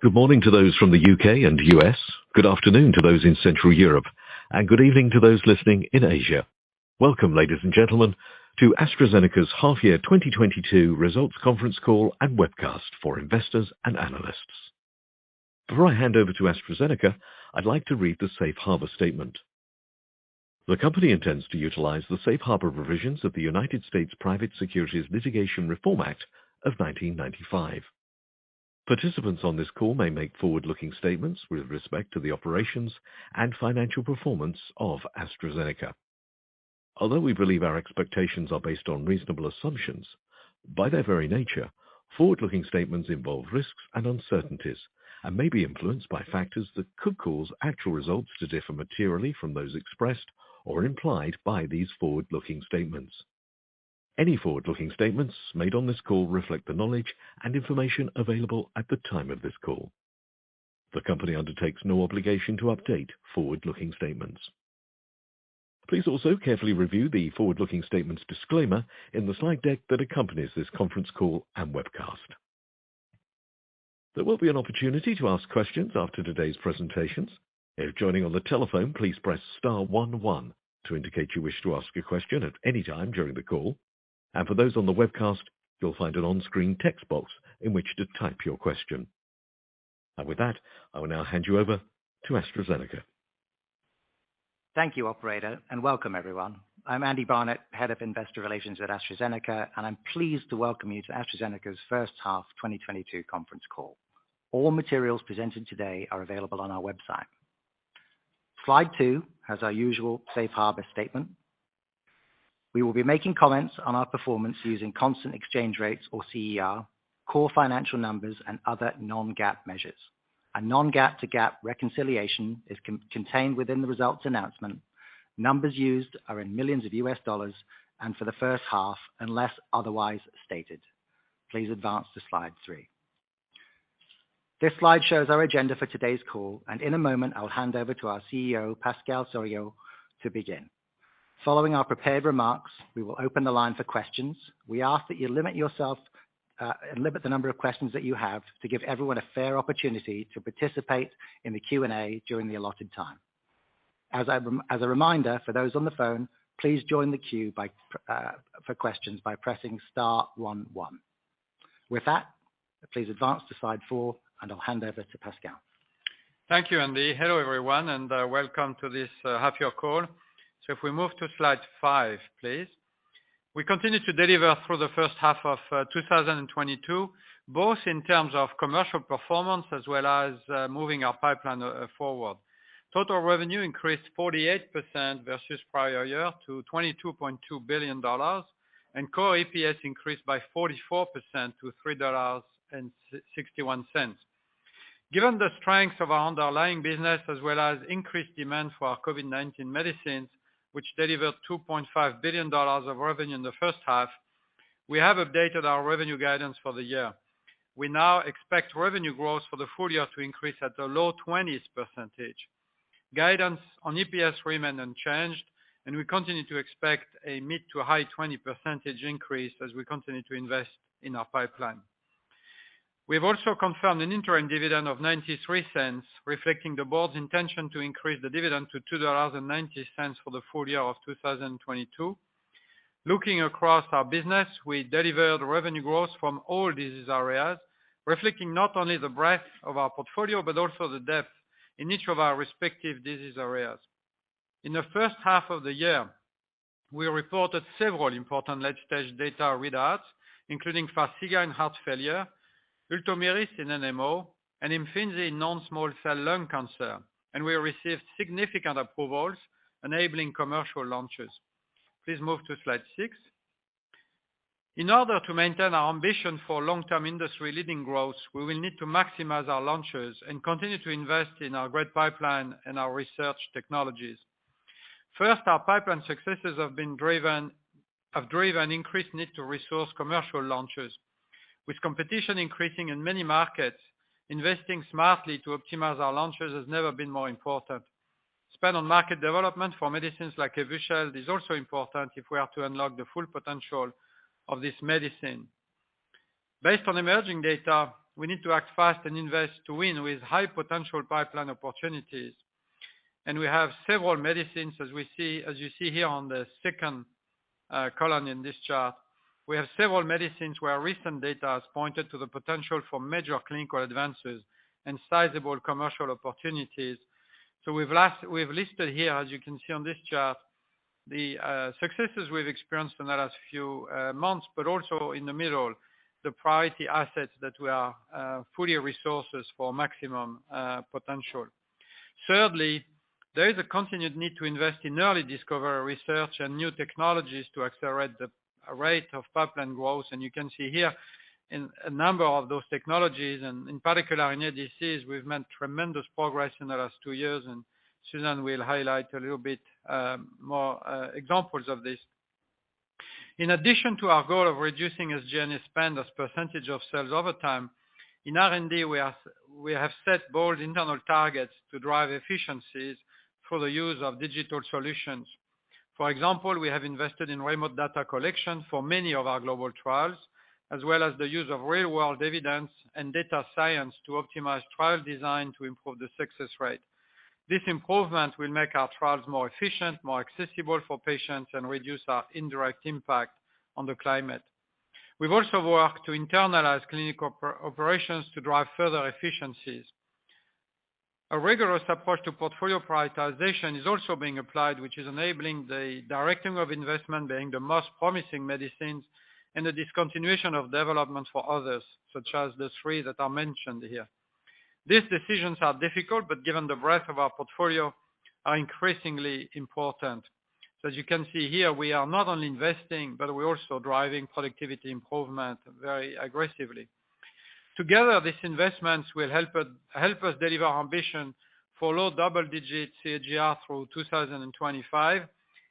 Good morning to those from the U.K. and U.S., good afternoon to those in Central Europe, and good evening to those listening in Asia. Welcome, ladies and gentlemen, to AstraZeneca's half-year 2022 results conference call and webcast for investors and analysts. Before I hand over to AstraZeneca, I'd like to read the Safe Harbor statement. The company intends to utilize the safe harbor provisions of the United States Private Securities Litigation Reform Act of 1995. Participants on this call may make forward-looking statements with respect to the operations and financial performance of AstraZeneca. Although we believe our expectations are based on reasonable assumptions, by their very nature, forward-looking statements involve risks and uncertainties and may be influenced by factors that could cause actual results to differ materially from those expressed or implied by these forward-looking statements. Any forward-looking statements made on this call reflect the knowledge and information available at the time of this call. The company undertakes no obligation to update forward-looking statements. Please also carefully review the forward-looking statements disclaimer in the slide deck that accompanies this conference call and webcast. There will be an opportunity to ask questions after today's presentations. If joining on the telephone, please press star one one to indicate you wish to ask a question at any time during the call. For those on the webcast, you'll find an onscreen text box in which to type your question. With that, I will now hand you over to AstraZeneca. Thank you operator, and welcome everyone. I'm Andy Barnett, Head of Investor Relations at AstraZeneca, and I'm pleased to welcome you to AstraZeneca's first half 2022 conference call. All materials presented today are available on our website. Slide two has our usual Safe Harbor statement. We will be making comments on our performance using constant exchange rates or CER, core financial numbers and other non-GAAP measures. A non-GAAP to GAAP reconciliation is contained within the results announcement. Numbers used are in millions US Dollars and for the first half, unless otherwise stated. Please advance to slide 3. This slide shows our agenda for today's call, and in a moment, I'll hand over to our CEO, Pascal Soriot, to begin. Following our prepared remarks, we will open the line for questions. We ask that you limit yourself and limit the number of questions that you have to give everyone a fair opportunity to participate in the Q&A during the allotted time. As a reminder for those on the phone, please join the queue for questions by pressing star one one. With that, please advance to slide four, and I'll hand over to Pascal. Thank you, Andy. Hello everyone, and welcome to this half year call. If we move to slide five, please. We continued to deliver through the first half of 2022, both in terms of commercial performance as well as moving our pipeline forward. Total revenue increased 48% versus prior year to $22.2 billion, and core EPS increased by 44% to $3.61. Given the strength of our underlying business as well as increased demand for our COVID-19 medicines, which delivered $2.5 billion of revenue in the first half, we have updated our revenue guidance for the year. We now expect revenue growth for the full year to increase at the low 20s%. Guidance on EPS remain unchanged, and we continue to expect a mid-to-high-20 percentage increase as we continue to invest in our pipeline. We've also confirmed an interim dividend of $0.93, reflecting the board's intention to increase the dividend to $2.90 for the full year of 2022. Looking across our business, we delivered revenue growth from all disease areas, reflecting not only the breadth of our portfolio, but also the depth in each of our respective disease areas. In the first half of the year, we reported several important late-stage data readouts, including Farxiga in heart failure, Ultomiris in NMO, and Imfinzi in non-small cell lung cancer, and we received significant approvals enabling commercial launches. Please move to slide six. In order to maintain our ambition for long-term industry-leading growth, we will need to maximize our launches and continue to invest in our great pipeline and our research technologies. First, our pipeline successes have driven increased need to resource commercial launches. With competition increasing in many markets, investing smartly to optimize our launches has never been more important. Spend on market development for medicines like Evusheld is also important if we are to unlock the full potential of this medicine. Based on emerging data, we need to act fast and invest to win with high potential pipeline opportunities. We have several medicines as you see here on the second column in this chart. We have several medicines where recent data has pointed to the potential for major clinical advances and sizable commercial opportunities. We've last. We've listed here, as you can see on this chart, the successes we've experienced in the last few months, but also in the middle, the priority assets that we are fully resourcing for maximum potential. Thirdly, there is a continued need to invest in early discovery research and new technologies to accelerate the rate of pipeline growth. You can see here in a number of those technologies and in particular in ADCs, we've made tremendous progress in the last two years, and Susan will highlight a little bit more examples of this. In addition to our goal of reducing SG&A spend as percentage of sales over time, in R&D we have set bold internal targets to drive efficiencies through the use of digital solutions. For example, we have invested in remote data collection for many of our global trials, as well as the use of real-world evidence and data science to optimize trial design to improve the success rate. This improvement will make our trials more efficient, more accessible for patients, and reduce our indirect impact on the climate. We've also worked to internalize clinical operations to drive further efficiencies. A rigorous approach to portfolio prioritization is also being applied, which is enabling the directing of investment being the most promising medicines and the discontinuation of developments for others, such as the three that are mentioned here. These decisions are difficult, but given the breadth of our portfolio, are increasingly important. As you can see here, we are not only investing, but we're also driving productivity improvement very aggressively. Together, these investments will help us deliver our ambition for low double-digit CAGR through 2025,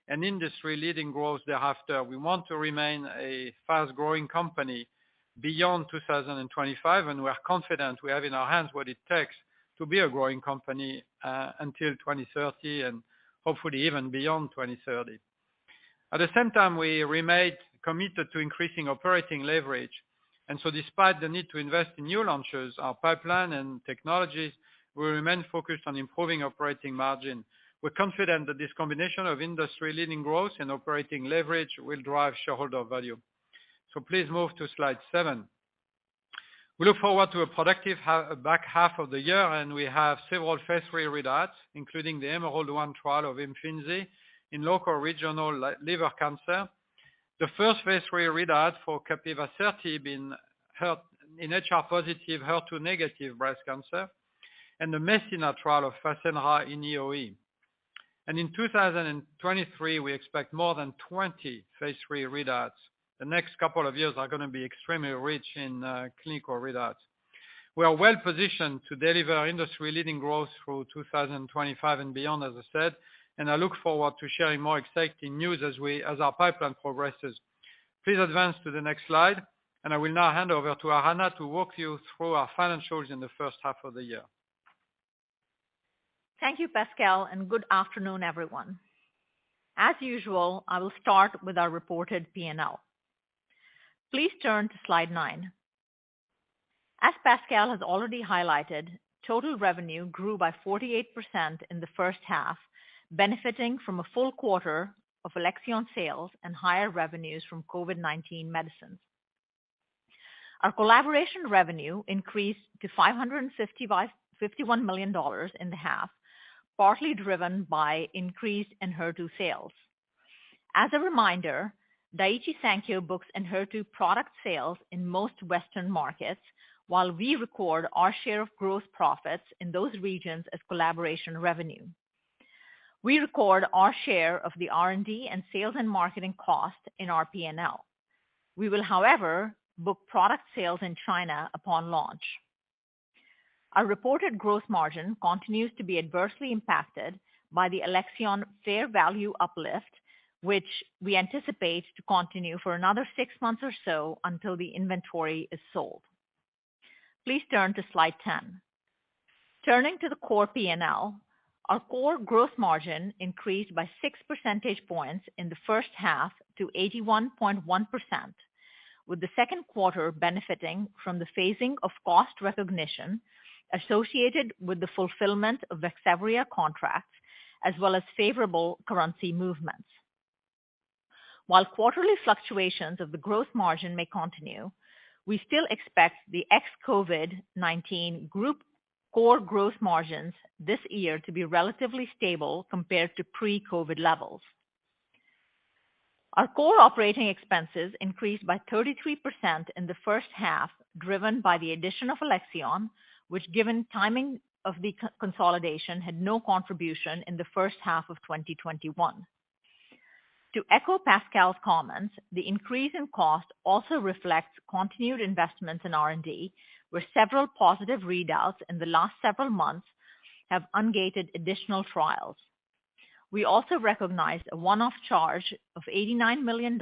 an industry-leading growth thereafter. We want to remain a fast-growing company beyond 2025, and we're confident we have in our hands what it takes to be a growing company until 2030, and hopefully even beyond 2030. At the same time, we remain committed to increasing operating leverage. Despite the need to invest in new launches, our pipeline and technologies will remain focused on improving operating margin. We're confident that this combination of industry-leading growth and operating leverage will drive shareholder value. Please move to slide seven. We look forward to a productive back half of the year, and we have several phase III readouts, including the EMERALD-1 trial of Imfinzi in local regional liver cancer. The first phase III readout for capivasertib in HR-positive, HER2-negative breast cancer and the MESSINA trial of Fasenra in EoE. In 2023, we expect more than 20 phase III readouts. The next couple of years are gonna be extremely rich in clinical readouts. We are well-positioned to deliver industry-leading growth through 2025 and beyond, as I said, and I look forward to sharing more exciting news as our pipeline progresses. Please advance to the next slide. I will now hand over to Aradhana Sarin to walk you through our financials in the first half of the year. Thank you, Pascal, and good afternoon, everyone. As usual, I will start with our reported P&L. Please turn to slide nine. As Pascal has already highlighted, total revenue grew by 48% in the first half, benefiting from a full quarter of Alexion sales and higher revenues from COVID-19 medicines. Our collaboration revenue increased to $555.1 million in the half, partly driven by increase in Enhertu sales. As a reminder, Daiichi Sankyo books Enhertu product sales in most Western markets, while we record our share of gross profits in those regions as collaboration revenue. We record our share of the R&D and sales and marketing costs in our P&L. We will, however, book product sales in China upon launch. Our reported growth margin continues to be adversely impacted by the Alexion fair value uplift, which we anticipate to continue for another six months or so until the inventory is sold. Please turn to slide 10. Turning to the core P&L, our core growth margin increased by 6 percentage points in the first half to 81.1%, with the second quarter benefiting from the phasing of cost recognition associated with the fulfillment of the Vaxzevria contract, as well as favorable currency movements. While quarterly fluctuations of the growth margin may continue, we still expect the ex-COVID-19 group core growth margins this year to be relatively stable compared to pre-COVID levels. Our core operating expenses increased by 33% in the first half, driven by the addition of Alexion, which, given timing of the co-consolidation, had no contribution in the first half of 2021. To echo Pascal's comments, the increase in cost also reflects continued investments in R&D, where several positive readouts in the last several months have ungated additional trials. We also recognized a one-off charge of $89 million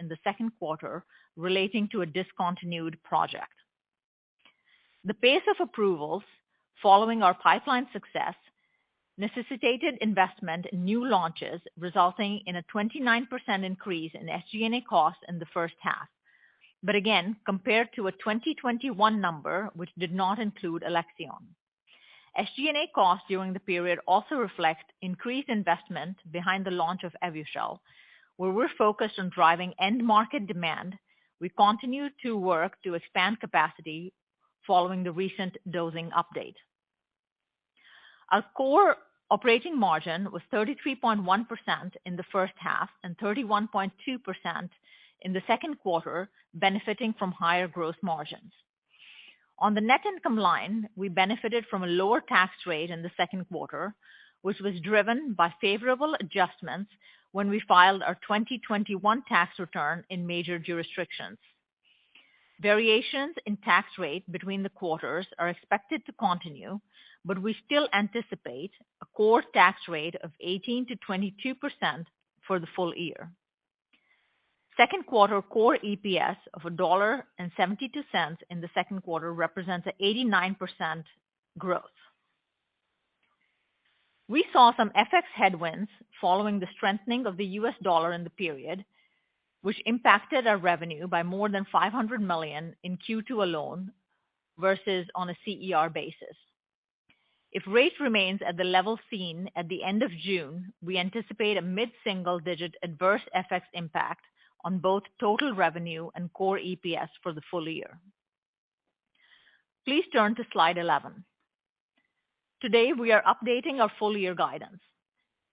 in the second quarter relating to a discontinued project. The pace of approvals following our pipeline success necessitated investment in new launches, resulting in a 29% increase in SG&A costs in the first half. Again, compared to a 2021 number, which did not include Alexion. SG&A costs during the period also reflect increased investment behind the launch of Evusheld, where we're focused on driving end-market demand. We continue to work to expand capacity following the recent dosing update. Our core operating margin was 33.1% in the first half and 31.2% in the second quarter, benefiting from higher growth margins. On the net income line, we benefited from a lower tax rate in the second quarter, which was driven by favorable adjustments when we filed our 2021 tax return in major jurisdictions. Variations in tax rate between the quarters are expected to continue, but we still anticipate a core tax rate of 18%-22% for the full year. Second quarter core EPS of $1.72 in the second quarter represents 89% growth. We saw some FX headwinds following the strengthening of the US dollar in the period, which impacted our revenue by more than $500 million in Q2 alone, versus on a CER basis. If rate remains at the level seen at the end of June, we anticipate a mid-single digit adverse FX impact on both total revenue and core EPS for the full year. Please turn to slide 11. Today, we are updating our full year guidance.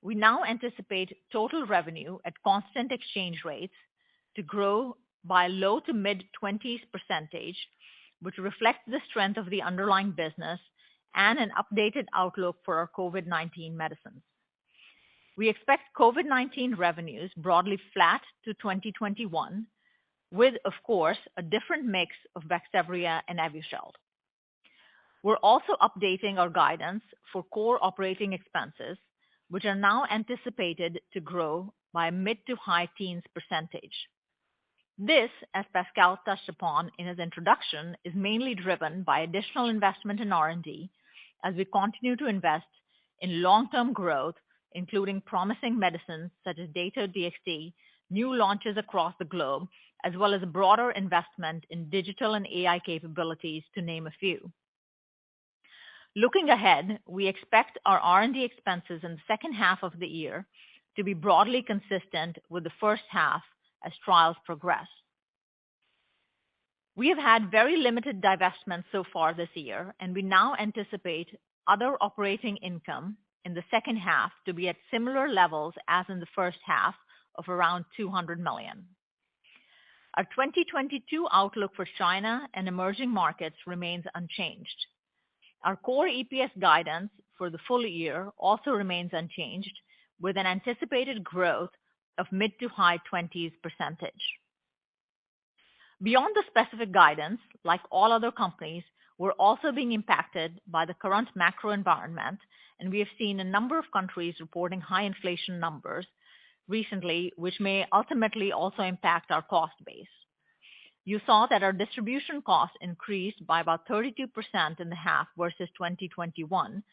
We now anticipate total revenue at constant exchange rates to grow by low- to mid-20s%, which reflects the strength of the underlying business and an updated outlook for our COVID-19 medicines. We expect COVID-19 revenues broadly flat to 2021 with of course a different mix of Vaxzevria and Evusheld. We're also updating our guidance for core operating expenses, which are now anticipated to grow by mid-to-high-teens percentage. This, as Pascal touched upon in his introduction, is mainly driven by additional investment in R&D as we continue to invest in long-term growth, including promising medicines such as Dato-DXd, new launches across the globe, as well as broader investment in digital and AI capabilities, to name a few. Looking ahead, we expect our R&D expenses in the second half of the year to be broadly consistent with the first half as trials progress. We have had very limited divestments so far this year, and we now anticipate other operating income in the second half to be at similar levels as in the first half of around $200 million. Our 2022 outlook for China and emerging markets remains unchanged. Our core EPS guidance for the full year also remains unchanged, with an anticipated growth of mid- to high-20s%. Beyond the specific guidance, like all other companies, we're also being impacted by the current macro environment, and we have seen a number of countries reporting high inflation numbers recently, which may ultimately also impact our cost base. You saw that our distribution costs increased by about 32% in the half versus 2021,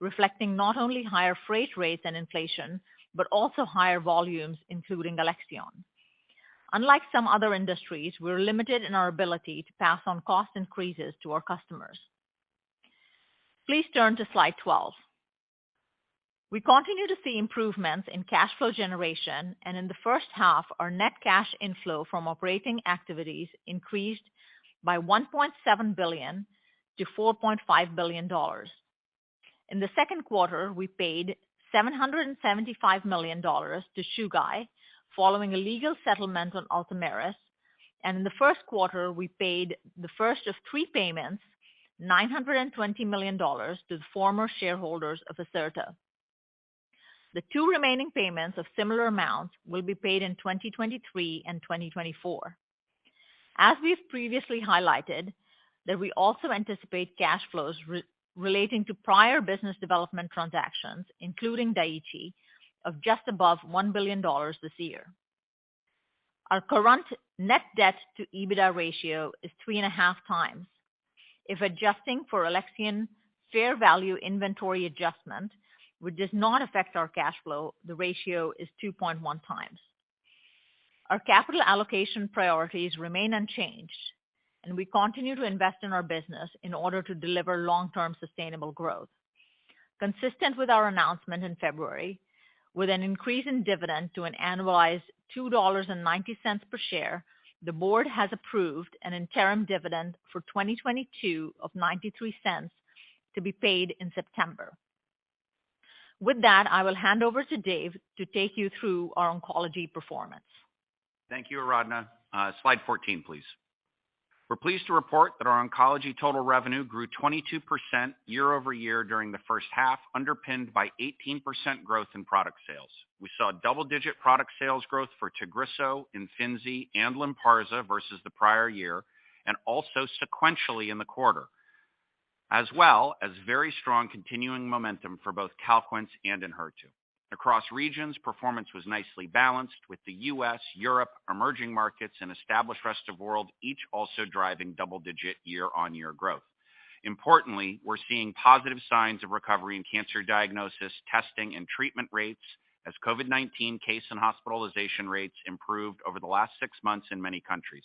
reflecting not only higher freight rates and inflation, but also higher volumes, including Alexion. Unlike some other industries, we're limited in our ability to pass on cost increases to our customers. Please turn to slide 12. We continue to see improvements in cash flow generation, and in the first half, our net cash inflow from operating activities increased by $1.7 billion to $4.5 billion. In the second quarter, we paid $775 million to Chugai following a legal settlement on Ultomiris, and in the first quarter we paid the first of three payments, $920 million to the former shareholders of Acerta. The two remaining payments of similar amounts will be paid in 2023 and 2024. As we've previously highlighted that we also anticipate cash flows relating to prior business development transactions, including Daiichi, of just above $1 billion this year. Our current net debt to EBITDA ratio is 3.5x. If adjusting for Alexion fair value inventory adjustment, which does not affect our cash flow, the ratio is 2.1x. Our capital allocation priorities remain unchanged, and we continue to invest in our business in order to deliver long-term sustainable growth. Consistent with our announcement in February, with an increase in dividend to an annualized $2.90 per share, the board has approved an interim dividend for 2022 of $0.93 to be paid in September. With that, I will hand over to Dave to take you through our oncology performance. Thank you, Aradhana Sarin. Slide 14, please. We're pleased to report that our oncology total revenue grew 22% year-over-year during the first half, underpinned by 18% growth in product sales. We saw double-digit product sales growth for Tagrisso, Imfinzi, and Lynparza versus the prior year, and also sequentially in the quarter. As well as very strong continuing momentum for both Calquence and Enhertu. Across regions, performance was nicely balanced with the U.S., Europe, emerging markets, and established rest of world, each also driving double-digit year-on-year growth. Importantly, we're seeing positive signs of recovery in cancer diagnosis, testing, and treatment rates as COVID-19 case and hospitalization rates improved over the last six months in many countries.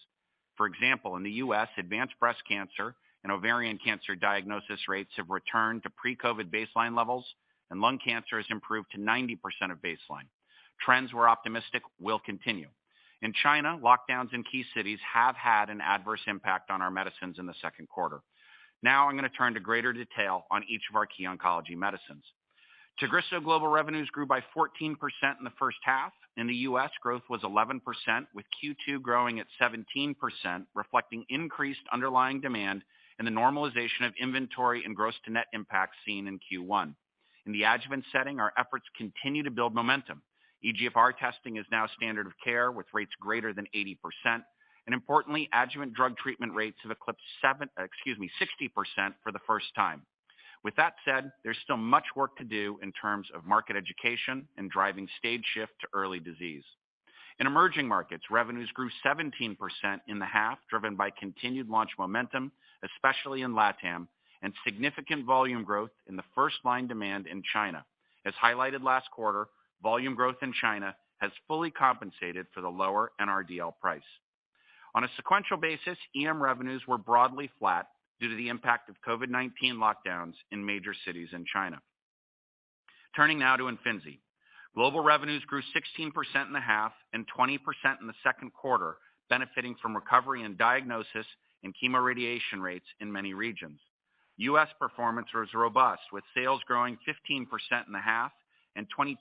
For example, in the U.S., advanced breast cancer and ovarian cancer diagnosis rates have returned to pre-COVID baseline levels, and lung cancer has improved to 90% of baseline. Trends were optimistic. Will continue. In China, lockdowns in key cities have had an adverse impact on our medicines in the second quarter. Now I'm going to turn to greater detail on each of our key oncology medicines. Tagrisso global revenues grew by 14% in the first half. In the U.S., growth was 11%, with Q2 growing at 17%, reflecting increased underlying demand and the normalization of inventory and gross to net impact seen in Q1. In the adjuvant setting, our efforts continue to build momentum. EGFR testing is now standard of care, with rates greater than 80%. Importantly, adjuvant drug treatment rates have eclipsed 60% for the first time. With that said, there's still much work to do in terms of market education and driving stage shift to early disease. In emerging markets, revenues grew 17% in the half, driven by continued launch momentum, especially in LATAM, and significant volume growth in the first-line demand in China. As highlighted last quarter, volume growth in China has fully compensated for the lower NRDL price. On a sequential basis, EM revenues were broadly flat due to the impact of COVID-19 lockdowns in major cities in China. Turning now to Imfinzi. Global revenues grew 16% in the half and 20% in the second quarter, benefiting from recovery in diagnosis and chemoradiation rates in many regions. U.S. performance was robust, with sales growing 15% in the half and 22%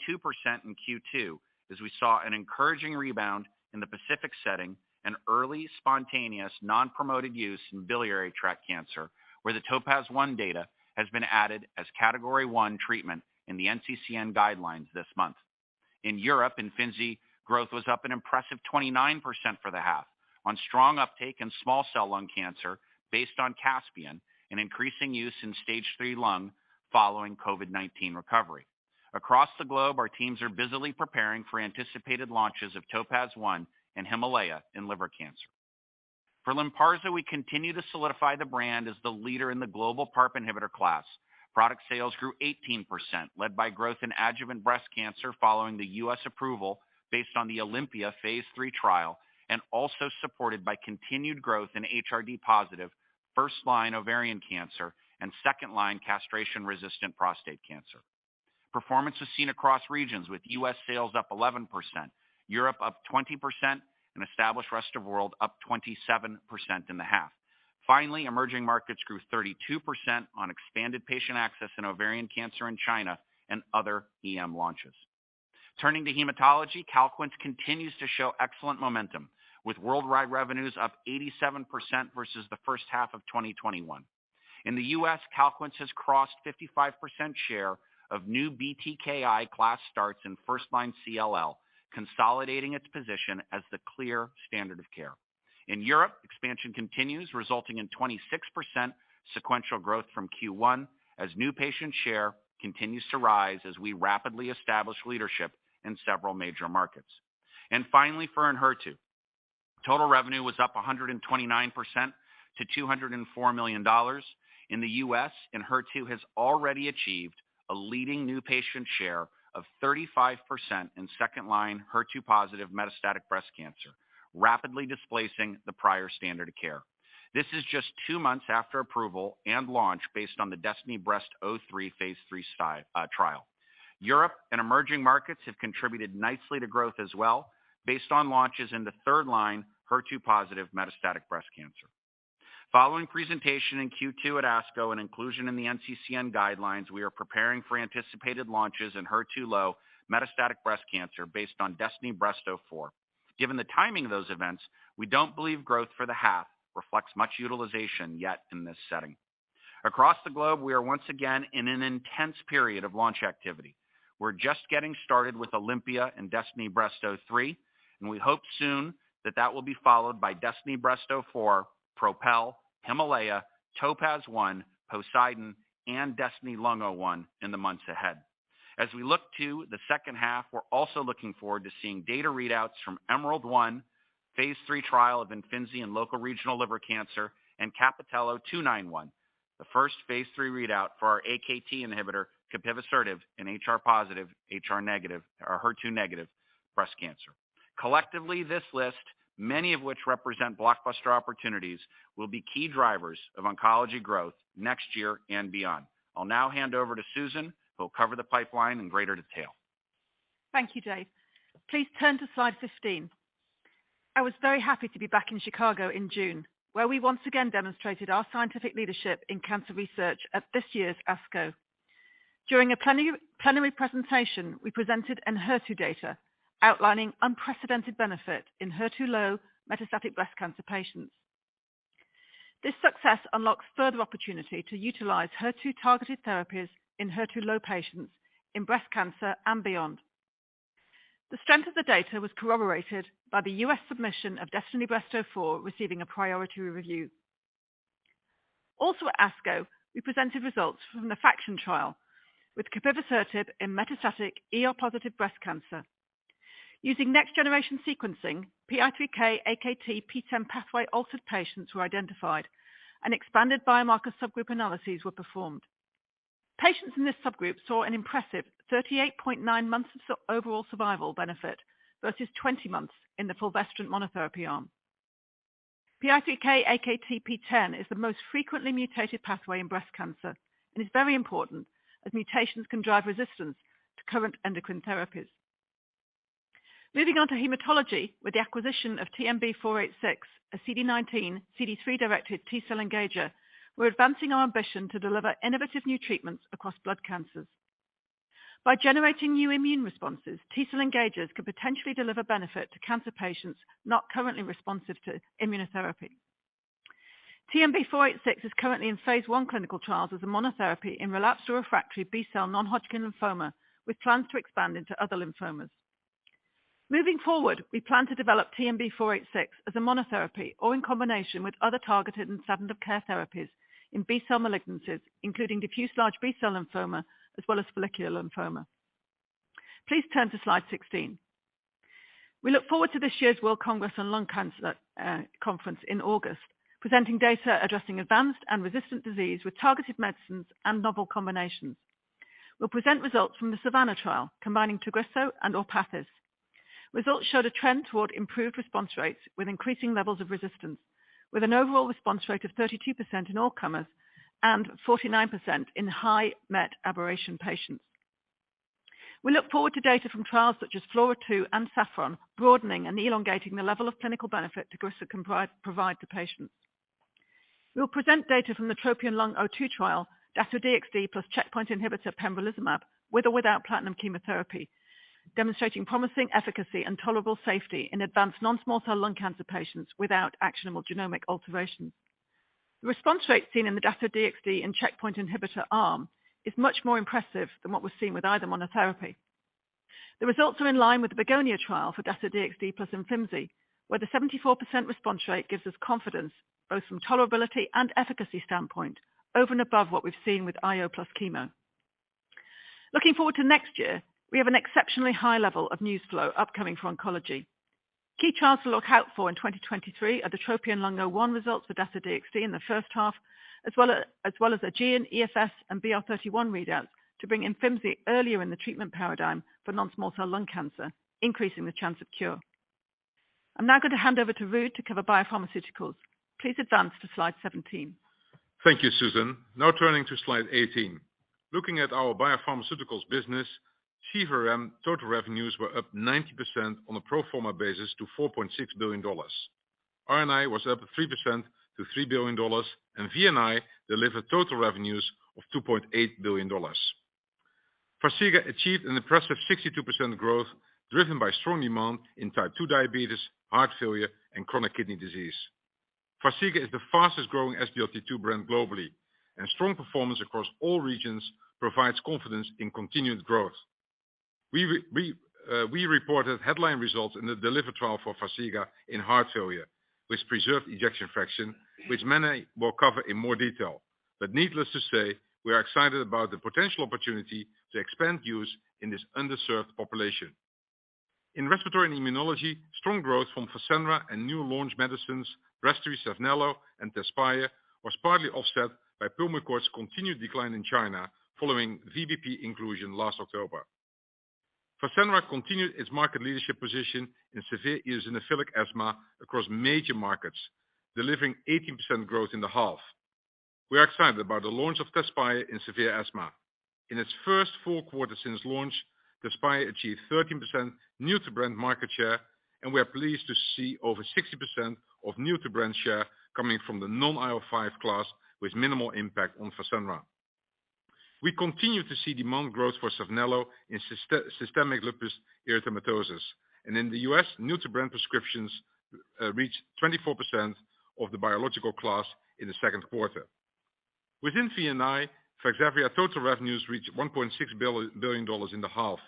in Q2 as we saw an encouraging rebound in the Pacific setting and early spontaneous non-promoted use in biliary tract cancer, where the TOPAZ-1 data has been added as Category one treatment in the NCCN guidelines this month. In Europe, Imfinzi growth was up an impressive 29% for the half on strong uptake in small cell lung cancer based on CASPIAN and increasing use in stage 3 lung following COVID-19 recovery. Across the globe, our teams are busily preparing for anticipated launches of TOPAZ-1 and HIMALAYA in liver cancer. For Lynparza, we continue to solidify the brand as the leader in the global PARP inhibitor class. Product sales grew 18%, led by growth in adjuvant breast cancer following the U.S. approval based on the OlympiA phase III trial and also supported by continued growth in HRD positive first-line ovarian cancer and second-line castration-resistant prostate cancer. Performance is seen across regions with U.S. sales up 11%, Europe up 20%, and established rest of world up 27% in the half. Finally, emerging markets grew 32% on expanded patient access in ovarian cancer in China and other EM launches. Turning to hematology, Calquence continues to show excellent momentum, with worldwide revenues up 87% versus the first half of 2021. In the U.S., Calquence has crossed 55% share of new BTKi class starts in first-line CLL, consolidating its position as the clear standard of care. In Europe, expansion continues, resulting in 26% sequential growth from Q1 as new patient share continues to rise as we rapidly establish leadership in several major markets. Finally, for Enhertu, total revenue was up 129% to $204 million. In the U.S., Enhertu has already achieved a leading new patient share of 35% in second line HER2-positive metastatic breast cancer, rapidly displacing the prior standard of care. This is just two months after approval and launch based on the DESTINY-Breast03 phase III trial. Europe and emerging markets have contributed nicely to growth as well based on launches in the third-line HER2-positive metastatic breast cancer. Following presentation in Q2 at ASCO and inclusion in the NCCN guidelines, we are preparing for anticipated launches in HER2-low metastatic breast cancer based on DESTINY-Breast04. Given the timing of those events, we don't believe growth for the half reflects much utilization yet in this setting. Across the globe, we are once again in an intense period of launch activity. We're just getting started with OlympiA and DESTINY-Breast03, and we hope soon that that will be followed by DESTINY-Breast04, PROpel, HIMALAYA, TOPAZ-1, POSEIDON, and DESTINY-Lung01 in the months ahead. As we look to the second half, we're also looking forward to seeing data readouts from EMERALD-1, phase III trial of Imfinzi in locoregional liver cancer, and CAPItello-291, the first phase III readout for our AKT inhibitor, capivasertib in HR-positive, HER2-negative breast cancer. Collectively, this list, many of which represent blockbuster opportunities, will be key drivers of oncology growth next year and beyond. I'll now hand over to Susan, who'll cover the pipeline in greater detail. Thank you, Dave. Please turn to slide 15. I was very happy to be back in Chicago in June, where we once again demonstrated our scientific leadership in cancer research at this year's ASCO. During a plenary presentation, we presented Enhertu data outlining unprecedented benefit in HER2-low metastatic breast cancer patients. This success unlocks further opportunity to utilize HER2-targeted therapies in HER2-low patients in breast cancer and beyond. The strength of the data was corroborated by the U.S. submission of DESTINY-Breast04 receiving a priority review. Also at ASCO, we presented results from the FAKTION trial with capivasertib in metastatic ER-positive breast cancer. Using next generation sequencing, PI3K/AKT/PTEN pathway-altered patients were identified and expanded biomarker subgroup analyses were performed. Patients in this subgroup saw an impressive 38.9 months of overall survival benefit versus 20 months in the fulvestrant monotherapy arm. PI3K/AKT/PTEN is the most frequently mutated pathway in breast cancer and is very important as mutations can drive resistance to current endocrine therapies. Moving on to hematology with the acquisition of TNB-486, a CD19 x CD3-directed T-cell engager, we're advancing our ambition to deliver innovative new treatments across blood cancers. By generating new immune responses, T-cell engagers could potentially deliver benefit to cancer patients not currently responsive to immunotherapy. TNB-486 is currently in phase I clinical trials as a monotherapy in relapsed or refractory B-cell non-Hodgkin lymphoma, with plans to expand into other lymphomas. Moving forward, we plan to develop TNB-486 as a monotherapy or in combination with other targeted and standard of care therapies in B-cell malignancies, including diffuse large B-cell lymphoma as well as follicular lymphoma. Please turn to slide 16. We look forward to this year's World Conference on Lung Cancer conference in August, presenting data addressing advanced and resistant disease with targeted medicines and novel combinations. We'll present results from the SAVANNAH trial combining Tagrisso and Orpathys. Results showed a trend toward improved response rates with increasing levels of resistance, with an overall response rate of 32% in all comers and 49% in high MET aberration patients. We look forward to data from trials such as FLAURA2 and SAFFRON, broadening and elongating the level of clinical benefit Tagrisso can provide to patients. We will present data from the TROPION-Lung02 trial, Dato-DXd plus checkpoint inhibitor pembrolizumab, with or without platinum chemotherapy, demonstrating promising efficacy and tolerable safety in advanced non-small cell lung cancer patients without actionable genomic alterations. The response rates seen in the Dato-DXd and checkpoint inhibitor arm is much more impressive than what was seen with either monotherapy. The results are in line with the BEGONIA trial for Dato-DXd plus Imfinzi, where the 74% response rate gives us confidence both from tolerability and efficacy standpoint over and above what we've seen with IO+ chemo. Looking forward to next year, we have an exceptionally high level of news flow upcoming for oncology. Key charts to look out for in 2023 are the TROPION-Lung01 results for Dato-DXd in the first half, as well as AEGEAN, EFS, and BR.31 readouts to bring Imfinzi earlier in the treatment paradigm for non-small cell lung cancer, increasing the chance of cure. I'm now going to hand over to Ruud to cover biopharmaceuticals. Please advance to slide 17. Thank you, Susan. Now turning to slide 18. Looking at our biopharmaceuticals business, CVRM total revenues were up 90% on a pro forma basis to $4.6 billion. R&I was up 3% to $3 billion, and V&I delivered total revenues of $2.8 billion. Farxiga achieved an impressive 62% growth, driven by strong demand in type 2 diabetes, heart failure, and chronic kidney disease. Farxiga is the fastest growing SGLT2 brand globally, and strong performance across all regions provides confidence in continued growth. We reported headline results in the DELIVER trial for Farxiga in heart failure with preserved ejection fraction, which Mene will cover in more detail. Needless to say, we are excited about the potential opportunity to expand use in this underserved population. In respiratory and immunology, strong growth from Fasenra and new launch medicines Breztri, Saphnelo and Tezspire was partly offset by Pulmicort's continued decline in China following VBP inclusion last October. Fasenra continued its market leadership position in severe eosinophilic asthma across major markets, delivering 18% growth in the half. We are excited about the launch of Tezspire in severe asthma. In its first full quarter since launch, Tezspire achieved 13% new-to-brand market share, and we are pleased to see over 60% of new-to-brand share coming from the non-IL-5 class with minimal impact on Fasenra. We continue to see demand growth for Saphnelo in systemic lupus erythematosus, and in the US, new-to-brand prescriptions reached 24% of the biological class in the second quarter. Within V&I, Vaxzevria total revenues reached $1.6 billion in the half,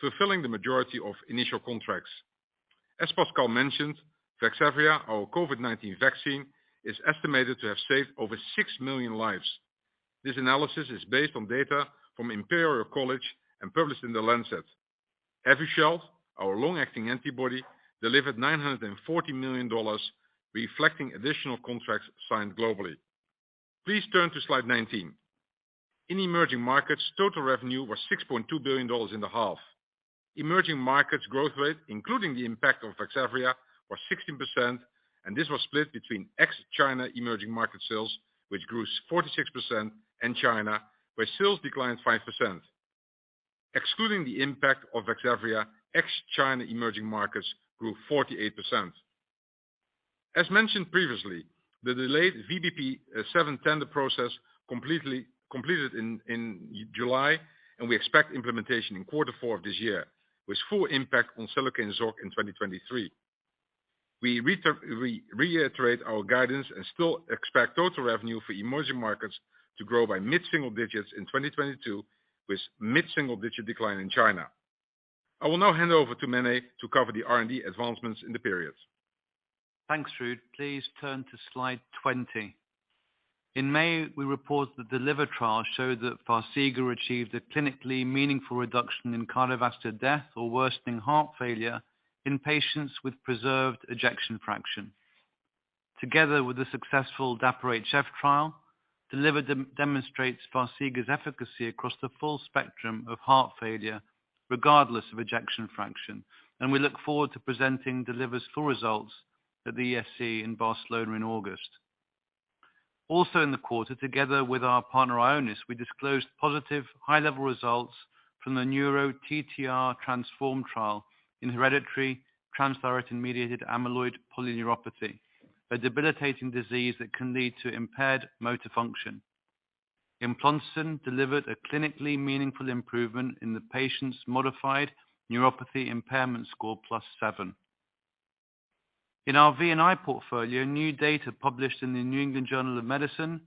fulfilling the majority of initial contracts. As Pascal mentioned, Vaxzevria, our COVID-19 vaccine, is estimated to have saved over 6 million lives. This analysis is based on data from Imperial College London and published in The Lancet. Evusheld, our long-acting antibody, delivered $940 million, reflecting additional contracts signed globally. Please turn to slide 19. In emerging markets, total revenue was $6.2 billion in the half. Emerging markets growth rate, including the impact of Vaxzevria, was 16%, and this was split between ex-China emerging market sales, which grew 46%, and China, where sales declined 5%. Excluding the impact of Vaxzevria, ex-China emerging markets grew 48%. As mentioned previously, the delayed VBP seven tender process completed in July, and we expect implementation in quarter four of this year, with full impact on Xeljanz ORK in 2023. We reiterate our guidance and still expect total revenue for emerging markets to grow by mid-single-digit% in 2022, with mid-single-digit% decline in China. I will now hand over to Mene to cover the R&D advancements in the periods. Thanks, Ruud. Please turn to slide 20. In May, we reported the DELIVER trial showed that Farxiga achieved a clinically meaningful reduction in cardiovascular death or worsening heart failure in patients with preserved ejection fraction. Together with the successful DAPA-HF trial, DELIVER de-demonstrates Farxiga's efficacy across the full spectrum of heart failure, regardless of ejection fraction. We look forward to presenting DELIVER's full results at the ESC in Barcelona in August. Also in the quarter, together with our partner Ionis, we disclosed positive high-level results from the NEURO-TTRansform trial in hereditary transthyretin-mediated amyloid polyneuropathy, a debilitating disease that can lead to impaired motor function. Eplontersen delivered a clinically meaningful improvement in the patient's modified neuropathy impairment score +7. In our V&I portfolio, new data published in the New England Journal of Medicine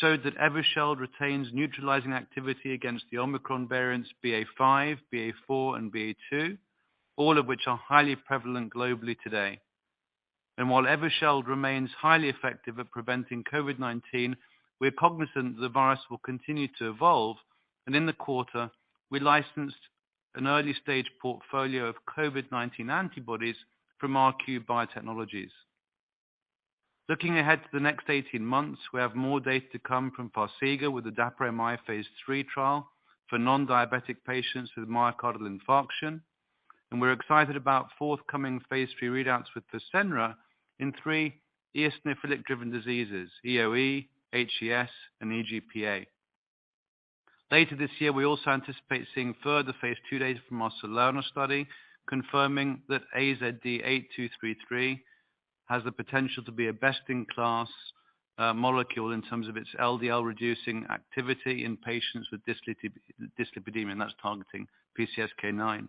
showed that Evusheld retains neutralizing activity against the Omicron variants BA.5, BA.4, and BA.2, all of which are highly prevalent globally today. While Evusheld remains highly effective at preventing COVID-19, we're cognizant that the virus will continue to evolve. In the quarter, we licensed an early-stage portfolio of COVID-19 antibodies from RQ Biotechnology. Looking ahead to the next 18 months, we have more data to come from Farxiga with the DAPA-MI phase III trial for non-diabetic patients with myocardial infarction. We're excited about forthcoming phase III readouts with Fasenra in three eosinophilic-driven diseases, EoE, HES, and EGPA. Later this year, we also anticipate seeing further phase II data from our Solano study, confirming that AZD8233 has the potential to be a best-in-class molecule in terms of its LDL-reducing activity in patients with dyslipidemia, and that's targeting PCSK9.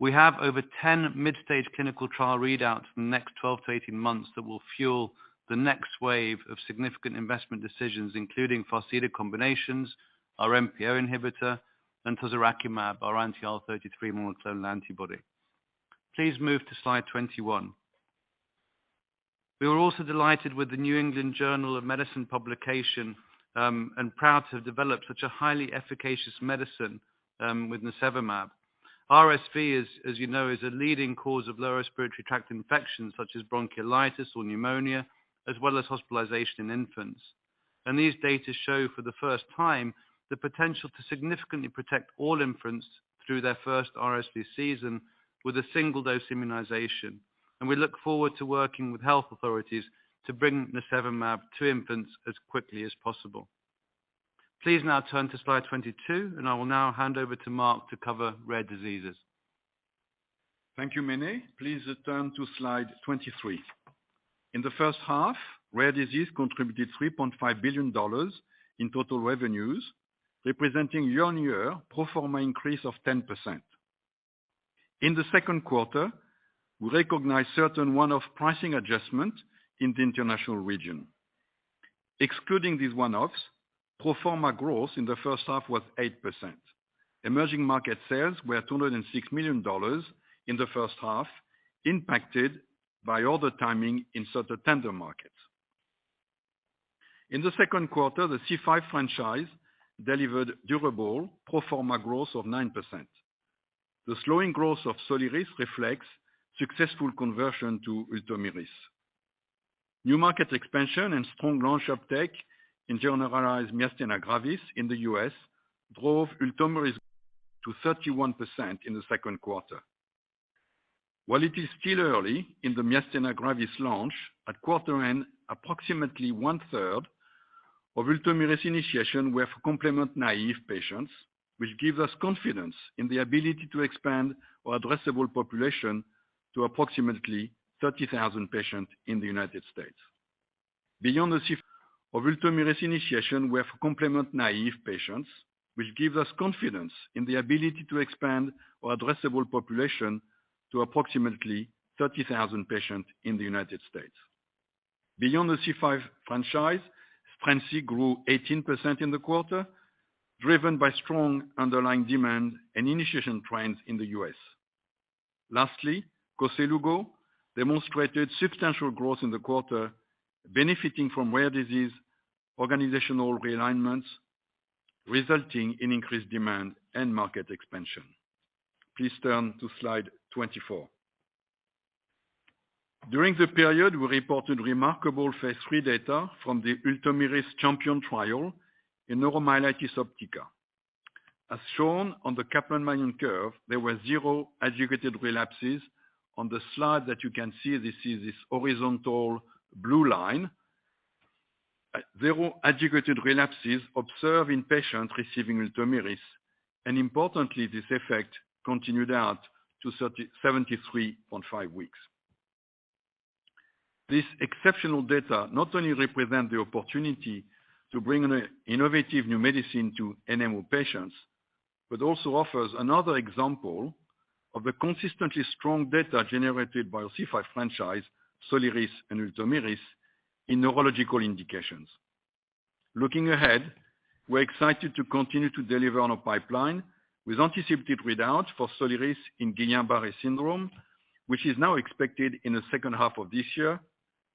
We have over 10 mid-stage clinical trial readouts in the next 12-18 months that will fuel the next wave of significant investment decisions, including Farxiga combinations, our MPO inhibitor, and tozorakimab, our anti-IL-33 monoclonal antibody. Please move to slide 21. We were also delighted with the New England Journal of Medicine publication and proud to have developed such a highly efficacious medicine with Nirsevimab. RSV, as you know, is a leading cause of lower respiratory tract infections such as bronchiolitis or pneumonia, as well as hospitalization in infants. These data show for the first time, the potential to significantly protect all infants through their first RSV season with a single-dose immunization. We look forward to working with health authorities to bring Nirsevimab to infants as quickly as possible. Please now turn to slide 22, and I will now hand over to Marc to cover rare diseases. Thank you, Mene. Please turn to slide 23. In the first half, rare disease contributed $3.5 billion in total revenues, representing year-on-year pro forma increase of 10%. In the second quarter, we recognized certain one-off pricing adjustment in the international region. Excluding these one-offs, pro forma growth in the first half was 8%. Emerging market sales were $206 million in the first half, impacted by order timing in certain tender markets. In the second quarter, the C5 franchise delivered durable pro forma growth of 9%. The slowing growth of Soliris reflects successful conversion to Ultomiris. New market expansion and strong launch uptake in generalized myasthenia gravis in the U.S. drove Ultomiris to 31% in the second quarter. While it is still early in the myasthenia gravis launch, at quarter end, approximately one-third of Ultomiris initiation were for complement-naïve patients, which gives us confidence in the ability to expand our addressable population to approximately 30,000 patients in the United States. Beyond the C5 franchise, Strensiq grew 18% in the quarter, driven by strong underlying demand and initiation trends in the U.S. Lastly, Koselugo demonstrated substantial growth in the quarter, benefiting from rare disease organizational realignments, resulting in increased demand and market expansion. Please turn to slide 24. During the period, we reported remarkable phase 3 data from the Ultomiris CHAMPION-NMOSD trial in neuromyelitis optica. As shown on the Kaplan-Meier curve, there were zero adjudicated relapses. On the slide that you can see, this is this horizontal blue line. 0 adjudicated relapses observed in patients receiving Ultomiris, and importantly, this effect continued out to 73.5 weeks. This exceptional data not only represent the opportunity to bring an innovative new medicine to NMO patients, but also offers another example of the consistently strong data generated by our C5 franchise, Soliris and Ultomiris, in neurological indications. Looking ahead, we're excited to continue to deliver on our pipeline with anticipated readouts for Soliris in Guillain-Barré syndrome, which is now expected in the second half of this year.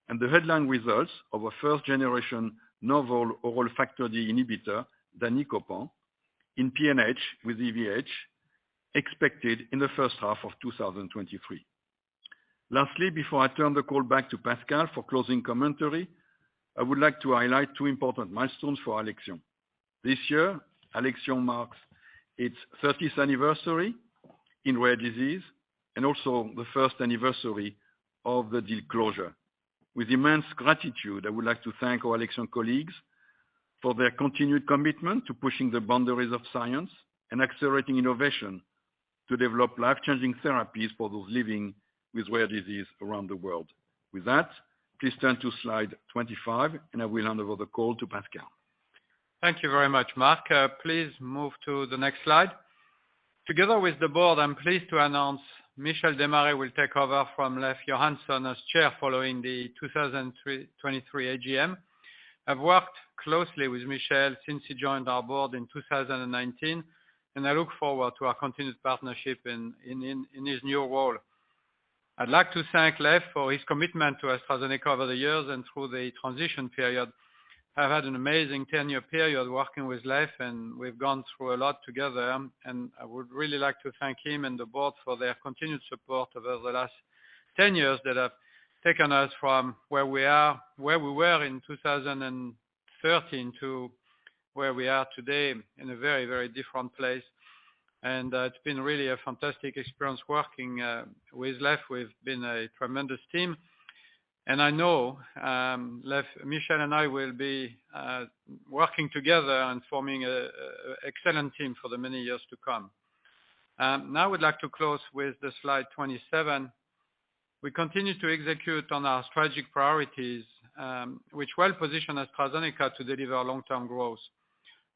The headline results of a first-generation novel oral Factor D inhibitor, danicopan, in PNH with EVH, expected in the first half of 2023. Lastly, before I turn the call back to Pascal for closing commentary, I would like to highlight two important milestones for Alexion. This year, Alexion marks its thirtieth anniversary in rare disease and also the first anniversary of the deal closure. With immense gratitude, I would like to thank our Alexion colleagues for their continued commitment to pushing the boundaries of science and accelerating innovation to develop life-changing therapies for those living with rare disease around the world. With that, please turn to slide 25, and I will hand over the call to Pascal. Thank you very much, Mark. Please move to the next slide. Together with the board, I'm pleased to announce Michel Demaré will take over from Leif Johansson as Chair following the 2023 AGM. I've worked closely with Michel since he joined our board in 2019, and I look forward to our continued partnership in his new role. I'd like to thank Leif for his commitment to AstraZeneca over the years and through the transition period. I've had an amazing 10-year period working with Leif, and we've gone through a lot together. I would really like to thank him and the board for their continued support over the last 10 years that have taken us from where we were in 2013 to where we are today in a very, very different place. It's been really a fantastic experience working with Leif. We've been a tremendous team. I know Leif, Michel and I will be working together and forming an excellent team for the many years to come. Now I would like to close with the slide 27. We continue to execute on our strategic priorities, which well position AstraZeneca to deliver long-term growth.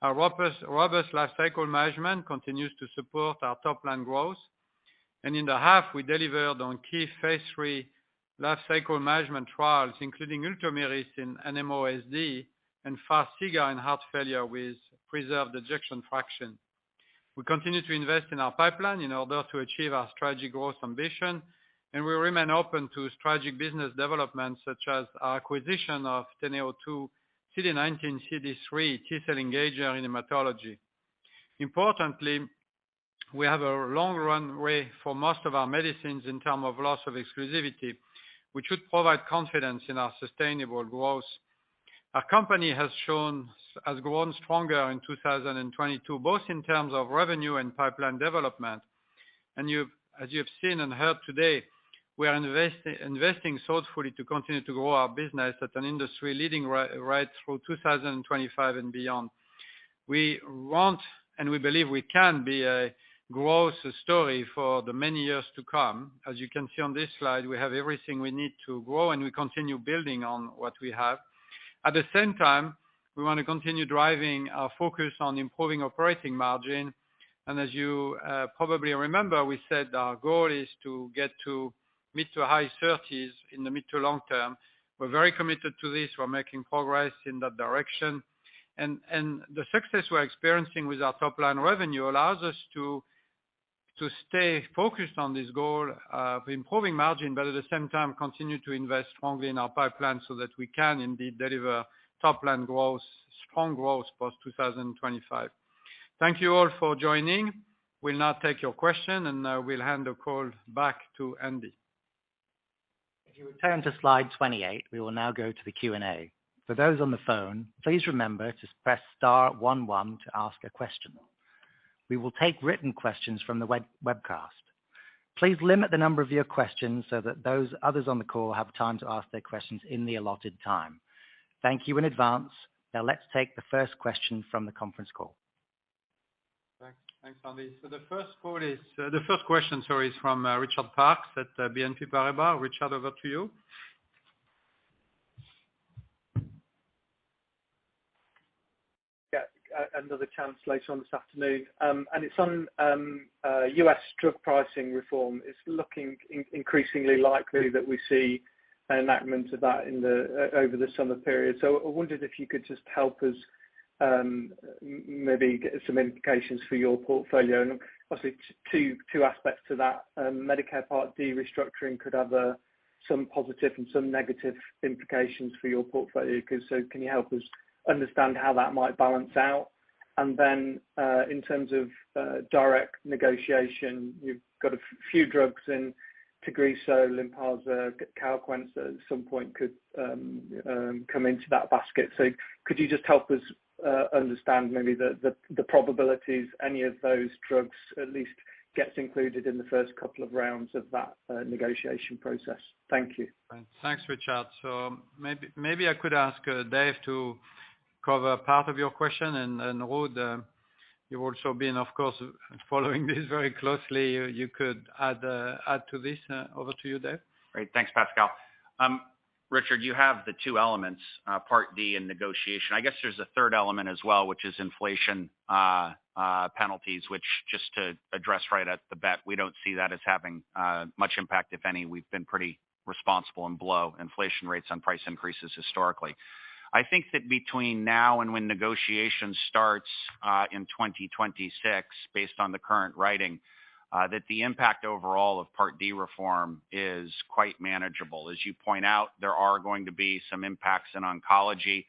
Our robust life cycle management continues to support our top line growth. In the half, we delivered on key phase III life cycle management trials, including Ultomiris in NMOSD and Farxiga in heart failure with preserved ejection fraction. We continue to invest in our pipeline in order to achieve our strategic growth ambition, and we remain open to strategic business developments such as our acquisition of TeneoTwo CD19xCD3 T-cell engager in hematology. Importantly, we have a long runway for most of our medicines in terms of loss of exclusivity, which should provide confidence in our sustainable growth. Our company has grown stronger in 2022, both in terms of revenue and pipeline development. As you've seen and heard today, we are investing thoughtfully to continue to grow our business at an industry-leading right through 2025 and beyond. We want, and we believe we can be a growth story for many years to come. As you can see on this slide, we have everything we need to grow, and we continue building on what we have. At the same time, we wanna continue driving our focus on improving operating margin. As you probably remember, we said our goal is to get to mid-to-high-30s in the mid-to-long-term. We're very committed to this. We're making progress in that direction. The success we're experiencing with our top line revenue allows us to stay focused on this goal, improving margin, but at the same time, continue to invest strongly in our pipeline so that we can indeed deliver top line growth, strong growth post-2025. Thank you all for joining. We'll now take your question, and we'll hand the call back to Andy. If you return to slide 28, we will now go to the Q&A. For those on the phone, please remember to press star one one to ask a question. We will take written questions from the webcast. Please limit the number of your questions so that those others on the call have time to ask their questions in the allotted time. Thank you in advance. Now, let's take the first question from the conference call. Thanks. Thanks, Andy. The first question, sorry, is from Richard Parkes at BNP Paribas. Richard, over to you. Yeah. Another chance later on this afternoon. It's on U.S. drug pricing reform. It's looking increasingly likely that we see an enactment of that over the summer period. I wondered if you could just help us maybe get some indications for your portfolio. Obviously two aspects to that. Medicare Part D restructuring could have some positive and some negative implications for your portfolio. Can you help us understand how that might balance out? Then in terms of direct negotiation, you've got a few drugs in Tagrisso, Lynparza, Calquence at some point could come into that basket. Could you just help us understand maybe the probabilities any of those drugs at least gets included in the first couple of rounds of that negotiation process? Thank you. Thanks, Richard. Maybe I could ask Dave to cover part of your question. Ruud, you've also been, of course, following this very closely. You could add to this. Over to you, Dave. Great. Thanks, Pascal. Richard, you have the two elements, Part D and negotiation. I guess there's a third element as well, which is inflation penalties, which just to address right off the bat, we don't see that as having much impact, if any. We've been pretty responsible and below inflation rates on price increases historically. I think that between now and when negotiation starts in 2026, based on the current reading, that the impact overall of Part D reform is quite manageable. As you point out, there are going to be some impacts in oncology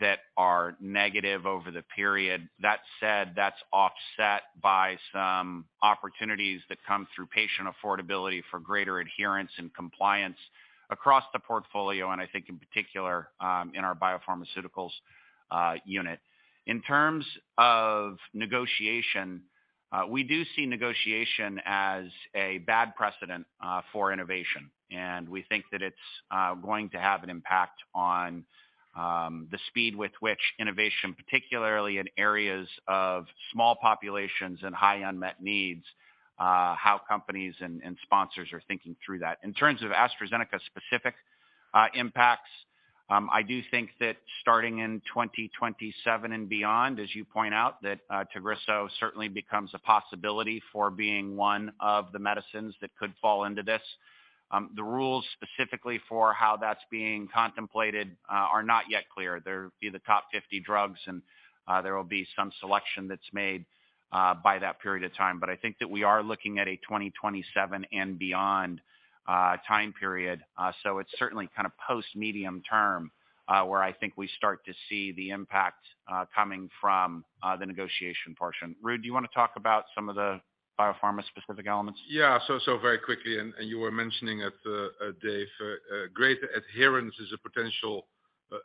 that are negative over the period. That said, that's offset by some opportunities that come through patient affordability for greater adherence and compliance across the portfolio, and I think in particular in our BioPharmaceuticals unit. In terms of negotiation, we do see negotiation as a bad precedent for innovation. We think that it's going to have an impact on the speed with which innovation, particularly in areas of small populations and high unmet needs, how companies and sponsors are thinking through that. In terms of AstraZeneca specific impacts. I do think that starting in 2027 and beyond, as you point out, that Tagrisso certainly becomes a possibility for being one of the medicines that could fall into this. The rules specifically for how that's being contemplated are not yet clear. There would be the top 50 drugs and there will be some selection that's made by that period of time. I think that we are looking at a 2027 and beyond time period. It's certainly kind of post-medium-term where I think we start to see the impact coming from the negotiation portion. Ruud, do you wanna talk about some of the biopharma-specific elements? Very quickly, and you were mentioning it, Dave, greater adherence is a potential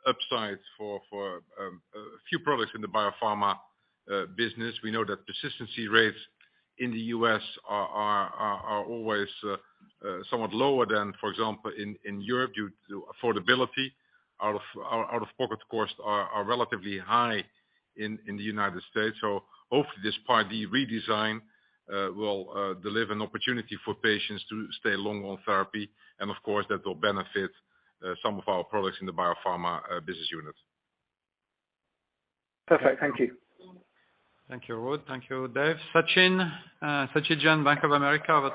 upside for a few products in the biopharma business. We know that persistency rates in the U.S. are always somewhat lower than, for example, in Europe due to affordability. Our out-of-pocket costs are relatively high in the United States. Hopefully this Part D redesign will deliver an opportunity for patients to stay long on therapy, and of course, that will benefit some of our products in the biopharma business unit. Perfect. Thank you. Thank you, Ruud. Thank you, Dave. Sachin Jain, Bank of America. Over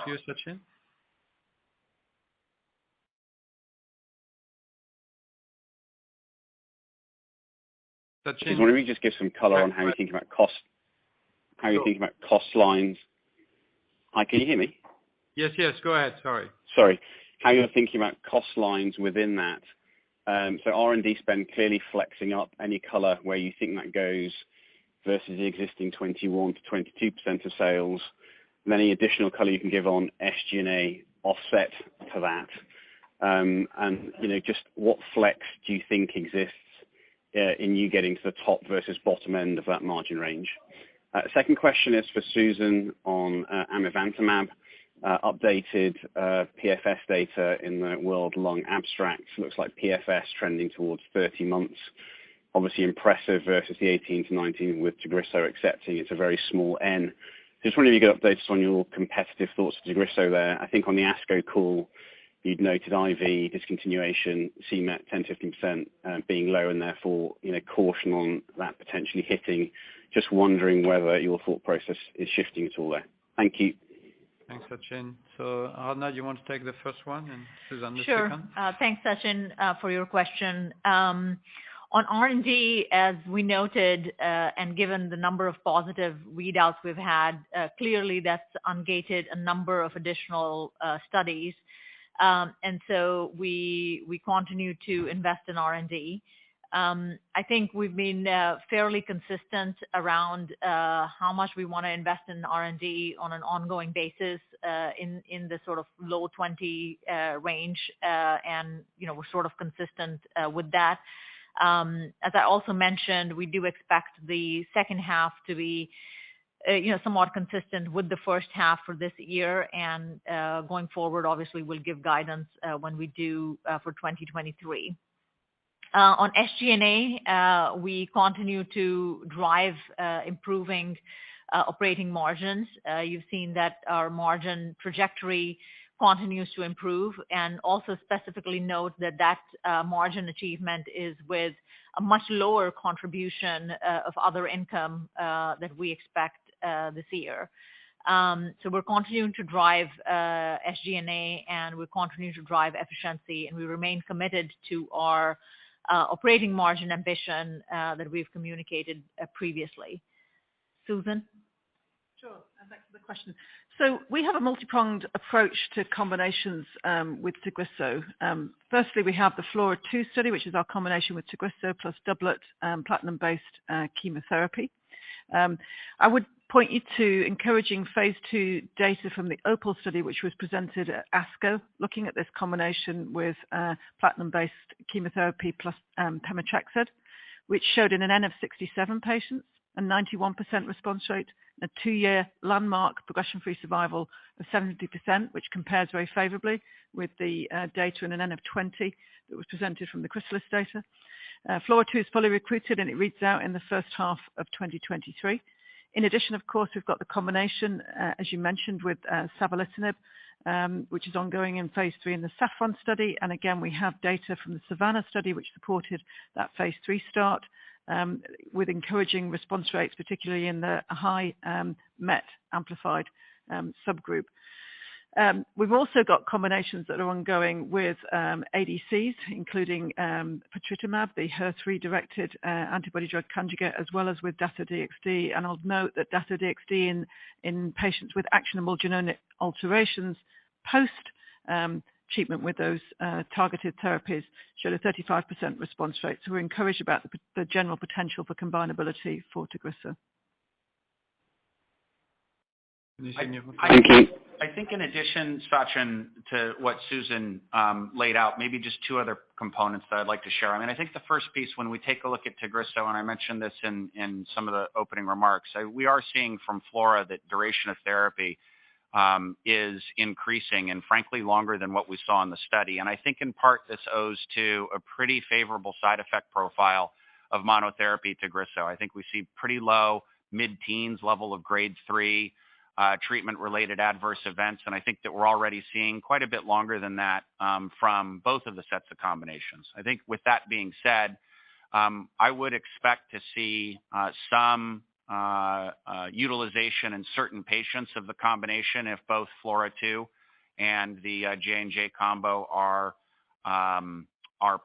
to you, Sachin. Sachin? Just wonder if you could just give some color on how you're thinking about cost? How you're thinking about cost lines? Hi, can you hear me? Yes, yes, go ahead. Sorry. Sorry. How you're thinking about cost lines within that. R&D spend clearly flexing up, any color where you think that goes versus the existing 21%-22% of sales. Any additional color you can give on SG&A offset to that. You know, just what flex do you think exists in you getting to the top versus bottom end of that margin range? Second question is for Susan on amivantamab, updated PFS data in the World Lung abstract. Looks like PFS trending toward 30 months. Obviously impressive versus the 18-19 with Tagrisso accepting it's a very small N. Just wondering if you could update us on your competitive thoughts to Tagrisso there. I think on the ASCO call you'd noted high discontinuation c-MET 10%-15% being low and therefore caution on that potentially hitting. Just wondering whether your thought process is shifting at all there. Thank you. Thanks, Sachin. Aradhana, you want to take the first one, and Susan, the second? Sure. Thanks Sachin for your question. On R&D, as we noted, and given the number of positive readouts we've had, clearly that's ungated a number of additional studies. We continue to invest in R&D. I think we've been fairly consistent around how much we wanna invest in R&D on an ongoing basis, in the sort of low 20% range. You know, we're sort of consistent with that. As I also mentioned, we do expect the second half to be, you know, somewhat consistent with the first half for this year. Going forward, obviously we'll give guidance when we do for 2023. On SG&A, we continue to drive improving operating margins. You've seen that our margin trajectory continues to improve and also specifically note that margin achievement is with a much lower contribution of other income that we expect this year. We're continuing to drive SG&A, and we're continuing to drive efficiency, and we remain committed to our operating margin ambition that we've communicated previously. Susan? Sure. Thanks for the question. We have a multi-pronged approach to combinations with Tagrisso. First, we have the FLAURA2 study, which is our combination with Tagrisso plus doublet platinum-based chemotherapy. I would point you to encouraging phase II data from the OPAL study, which was presented at ASCO, looking at this combination with platinum-based chemotherapy plus pemetrexed, which showed in an N of 67 patients, a 91% response rate and a two-year landmark progression-free survival of 70%, which compares very favorably with the in an N of 20 that was presented from the CHRYSALIS data. FLAURA2 is fully recruited, and it reads out in the first half of 2023. In addition, of course, we've got the combination, as you mentioned with savolitinib, which is ongoing in phase 3 in the SAFFRON study. We have data from the SAVANA study which supported that phase 3 start, with encouraging response rates, particularly in the high MET-amplified subgroup. We've also got combinations that are ongoing with ADCs, including patritumab, the HER3-directed antibody drug conjugate, as well as with Dato-DXd. I'll note that Dato-DXd in patients with actionable genomic alterations post treatment with those targeted therapies showed a 35% response rate. We're encouraged about the general potential for combinability for Tagrisso. Anything you want to. I think. Thank you. I think in addition, Sachin, to what Susan laid out, maybe just two other components that I'd like to share. I mean, I think the first piece when we take a look at Tagrisso, and I mentioned this in some of the opening remarks, we are seeing from FLAURA that duration of therapy is increasing and frankly longer than what we saw in the study. I think in part this owes to a pretty favorable side effect profile of monotherapy Tagrisso. I think we see pretty low mid-teens level of grade 3 treatment-related adverse events, and I think that we're already seeing quite a bit longer than that from both of the sets of combinations. I think with that being said, I would expect to see some utilization in certain patients of the combination if both FLAURA2 and the J&J combo are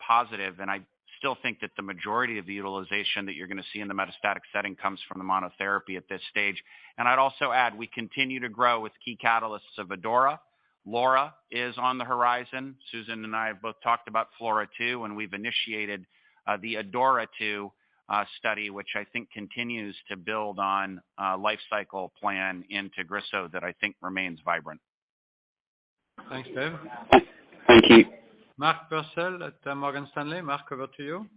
positive. I still think that the majority of the utilization that you're gonna see in the metastatic setting comes from the monotherapy at this stage. I'd also add, we continue to grow with key catalysts of ADAURA. LAURA is on the horizon. Susan and I have both talked about FLAURA2, and we've initiated the ADAURA2 study, which I think continues to build on a life cycle plan in Tagrisso that I think remains vibrant. Thanks, Dave. Thank you. Mark Purcell at Morgan Stanley. Mark, over to you.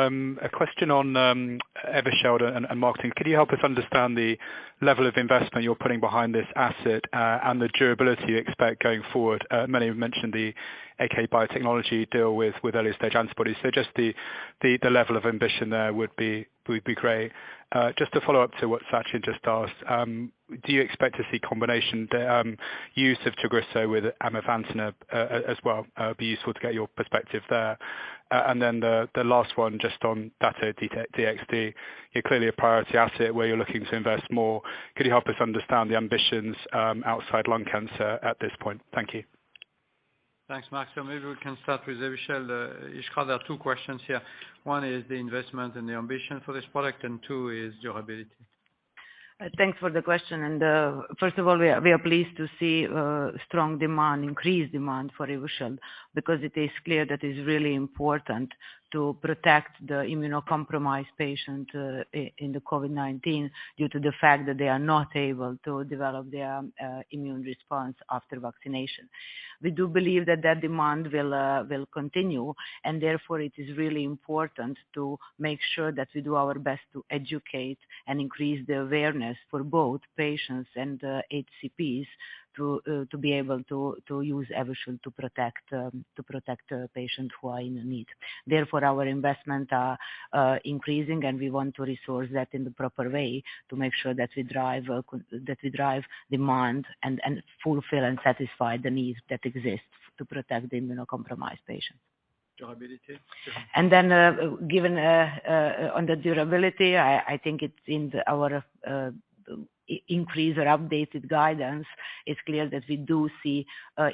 A question on Evusheld and marketing. Could you help us understand the level of investment you're putting behind this asset, and the durability you expect going forward? Many have mentioned the RQ Biotechnology deal with early-stage antibodies. Just the level of ambition there would be great. Just to follow up to what Sachin just asked, do you expect to see the use of Tagrisso with amivantamab as well? It'd be useful to get your perspective there. The last one, just on Dato-DXd, it's clearly a priority asset where you're looking to invest more. Could you help us understand the ambitions outside lung cancer at this point? Thank you. Thanks, Mark. Maybe we can start with Evusheld. Iskra, there are two questions here. One is the investment and the ambition for this product, and two is durability. Thanks for the question. First of all, we are pleased to see strong demand, increased demand for Evusheld, because it is clear that it's really important to protect the immunocompromised patient in the COVID-19 due to the fact that they are not able to develop their immune response after vaccination. We do believe that demand will continue, and therefore it is really important to make sure that we do our best to educate and increase the awareness for both patients and HCPs to be able to use Evusheld to protect patients who are in need. Therefore, our investments are increasing, and we want to resource that in the proper way to make sure that we drive demand and fulfill and satisfy the needs that exist to protect the immunocompromised patients. Durability? Given on the durability, I think it's in our increased or updated guidance, it's clear that we do see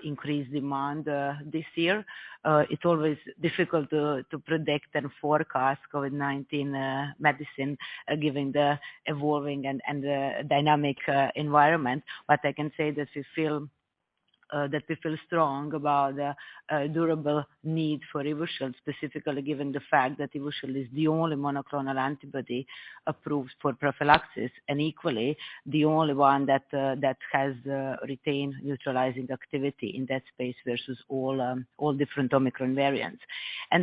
increased demand this year. It's always difficult to predict and forecast COVID-19 medicine given the evolving and the dynamic environment. I can say that we feel strong about a durable need for Evusheld, specifically given the fact that Evusheld is the only monoclonal antibody approved for prophylaxis, and equally, the only one that has retained neutralizing activity in that space versus all different Omicron variants.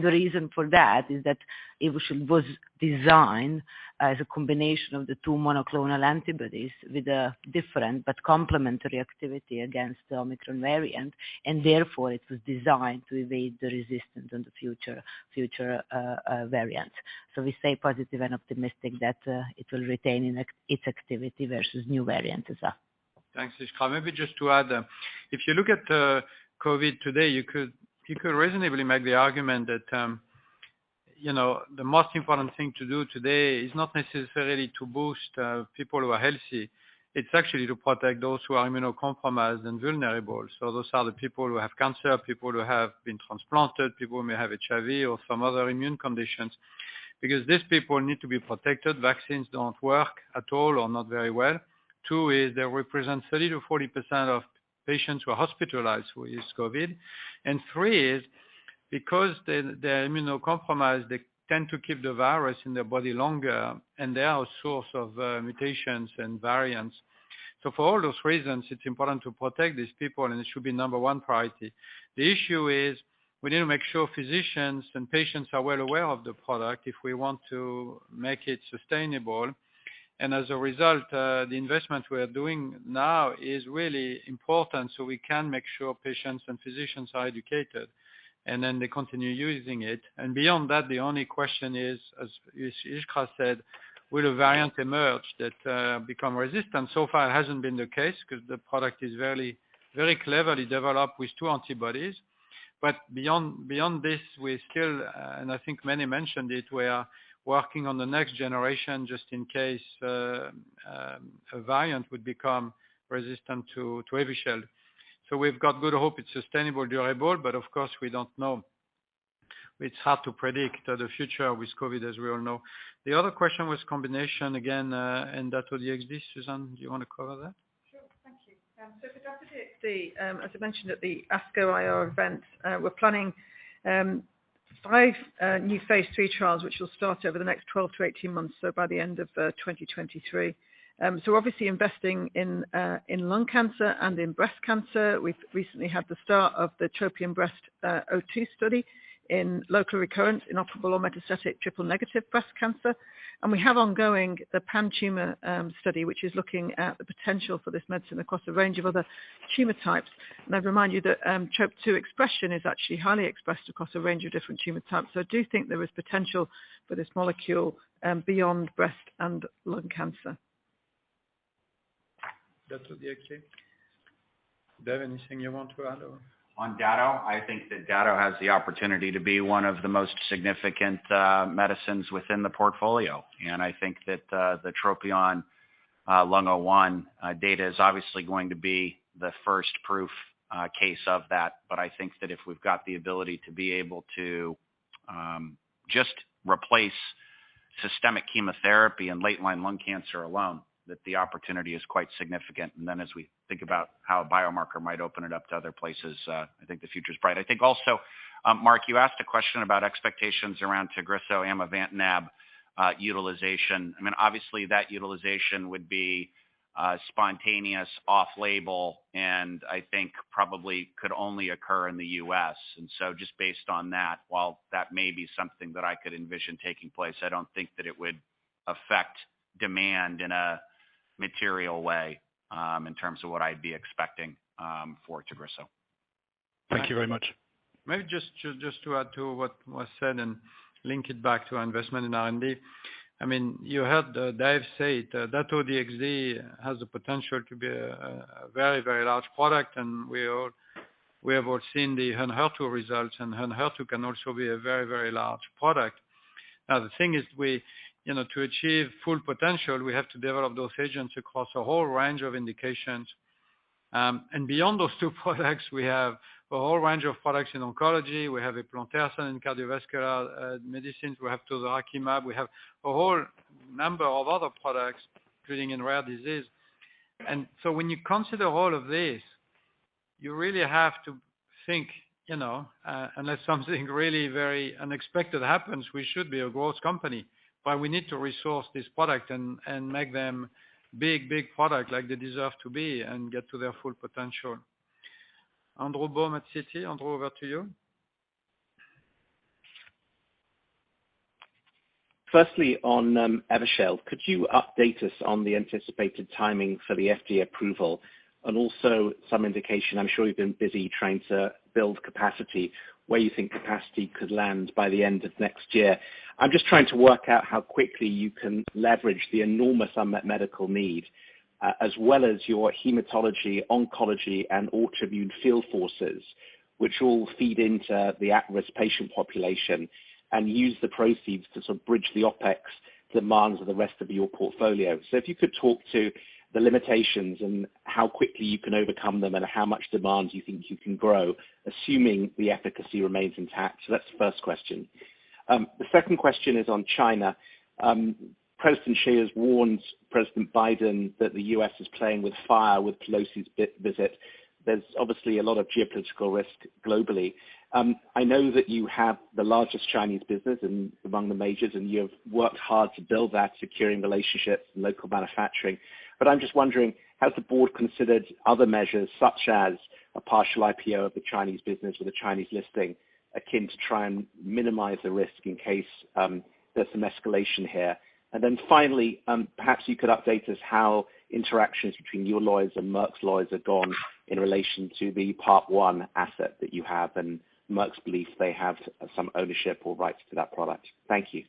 The reason for that is that Evusheld was designed as a combination of the two monoclonal antibodies with a different but complementary activity against the Omicron variant, and therefore it was designed to evade the resistance in the future variants. We stay positive and optimistic that it will retain its activity versus new variants as well. Thanks, Iskra. Maybe just to add, if you look at COVID today, you could reasonably make the argument that, you know, the most important thing to do today is not necessarily to boost people who are healthy. It's actually to protect those who are immunocompromised and vulnerable. Those are the people who have cancer, people who have been transplanted, people who may have HIV or some other immune conditions. Because these people need to be protected. Vaccines don't work at all or not very well. Two is they represent 30%-40% of patients who are hospitalized with COVID. Three is because they're immunocompromised, they tend to keep the virus in their body longer, and they are a source of mutations and variants. For all those reasons, it's important to protect these people, and it should be number one priority. The issue is we need to make sure physicians and patients are well aware of the product if we want to make it sustainable. As a result, the investment we are doing now is really important, so we can make sure patients and physicians are educated, and then they continue using it. Beyond that, the only question is, as Iskra said, will a variant emerge that become resistant? So far it hasn't been the case because the product is very, very cleverly developed with two antibodies. Beyond this, we're still, and I think many mentioned it, we are working on the next generation just in case, a variant would become resistant to Evusheld. We've got good hope it's sustainable, durable, but of course, we don't know. It's hard to predict the future with COVID, as we all know. The other question was combination again, and that with DXd. Susan, do you wanna cover that? Sure. Thank you. For Dato-DXd, as I mentioned at the ASCO IR event, we're planning five new phase three trials which will start over the next 12-18 months, so by the end of 2023. We're obviously investing in lung cancer and in breast cancer. We've recently had the start of the TROPION-Breast02 study in local recurrence, inoperable or metastatic triple-negative breast cancer. We have ongoing the pan-tumor study, which is looking at the potential for this medicine across a range of other tumor types. I'd remind you that Trop2 expression is actually highly expressed across a range of different tumor types. I do think there is potential for this molecule beyond breast and lung cancer. That would be okay. Dave, anything you want to add on? On Dato-DXd, I think that Dato-DXd has the opportunity to be one of the most significant medicines within the portfolio. I think that the TROPION-Lung01 data is obviously going to be the first proof case of that. I think that if we've got the ability to be able to just replace systemic chemotherapy and late-stage lung cancer alone, that the opportunity is quite significant. As we think about how a biomarker might open it up to other places, I think the future is bright. I think also, Mark, you asked a question about expectations around Tagrisso amivantamab utilization. I mean, obviously that utilization would be spontaneous off-label, and I think probably could only occur in the US. Just based on that, while that may be something that I could envision taking place, I don't think that it would affect demand in a material way, in terms of what I'd be expecting, for Tagrisso. Thank you very much. Maybe just to add to what was said and link it back to investment in R&D. I mean, you heard Dave say it, Dato-DXd has the potential to be a very large product, and we have all seen the Enhertu results, and Enhertu can also be a very large product. Now, the thing is we, you know, to achieve full potential, we have to develop those agents across a whole range of indications. And beyond those two products, we have a whole range of products in oncology. We have Eplontersen in cardiovascular medicines. We have Tozorakimab. We have a whole number of other products treating in rare disease. When you consider all of this, you really have to think, you know, unless something really very unexpected happens, we should be a growth company. We need to resource this product and make them big product like they deserve to be and get to their full potential. Andrew Baum at Citi, Andrew, over to you. Firstly, on Evusheld, could you update us on the anticipated timing for the FDA approval? Also some indication, I'm sure you've been busy trying to build capacity, where you think capacity could land by the end of next year. I'm just trying to work out how quickly you can leverage the enormous unmet medical need, as well as your hematology, oncology, and autoimmune field forces, which all feed into the at-risk patient population and use the proceeds to sort of bridge the OpEx demands of the rest of your portfolio. If you could talk to the limitations and how quickly you can overcome them and how much demand you think you can grow, assuming the efficacy remains intact. That's the first question. The second question is on China. President Xi has warned President Biden that the U.S. is playing with fire with Pelosi's visit. There's obviously a lot of geopolitical risk globally. I know that you have the largest Chinese business among the majors, and you have worked hard to build that securing relationships and local manufacturing. But I'm just wondering, has the board considered other measures such as a partial IPO of the Chinese business or the Chinese listing akin to try and minimize the risk in case there's some escalation here? Then finally, perhaps you could update us how interactions between your lawyers and Merck's lawyers have gone in relation to the PARP-1 asset that you have, and Merck's belief they have some ownership or rights to that product. Thank you.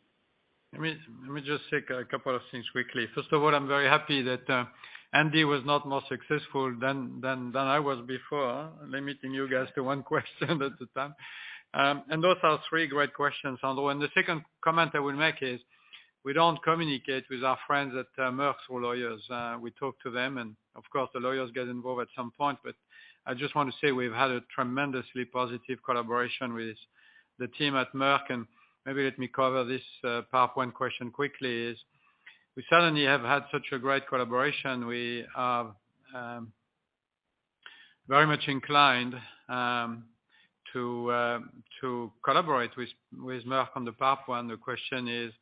Let me just take a couple of things quickly. First of all, I'm very happy that Andy was not more successful than I was before limiting you guys to one question at a time. Those are three great questions, Andrew. The second comment I will make is we don't communicate with our friends at Merck's lawyers. We talk to them, and of course, the lawyers get involved at some point. I just want to say we've had a tremendously positive collaboration with the team at Merck. Maybe let me cover this part one question quickly is we certainly have had such a great collaboration. We are very much inclined to collaborate with Merck on the part one. The question is,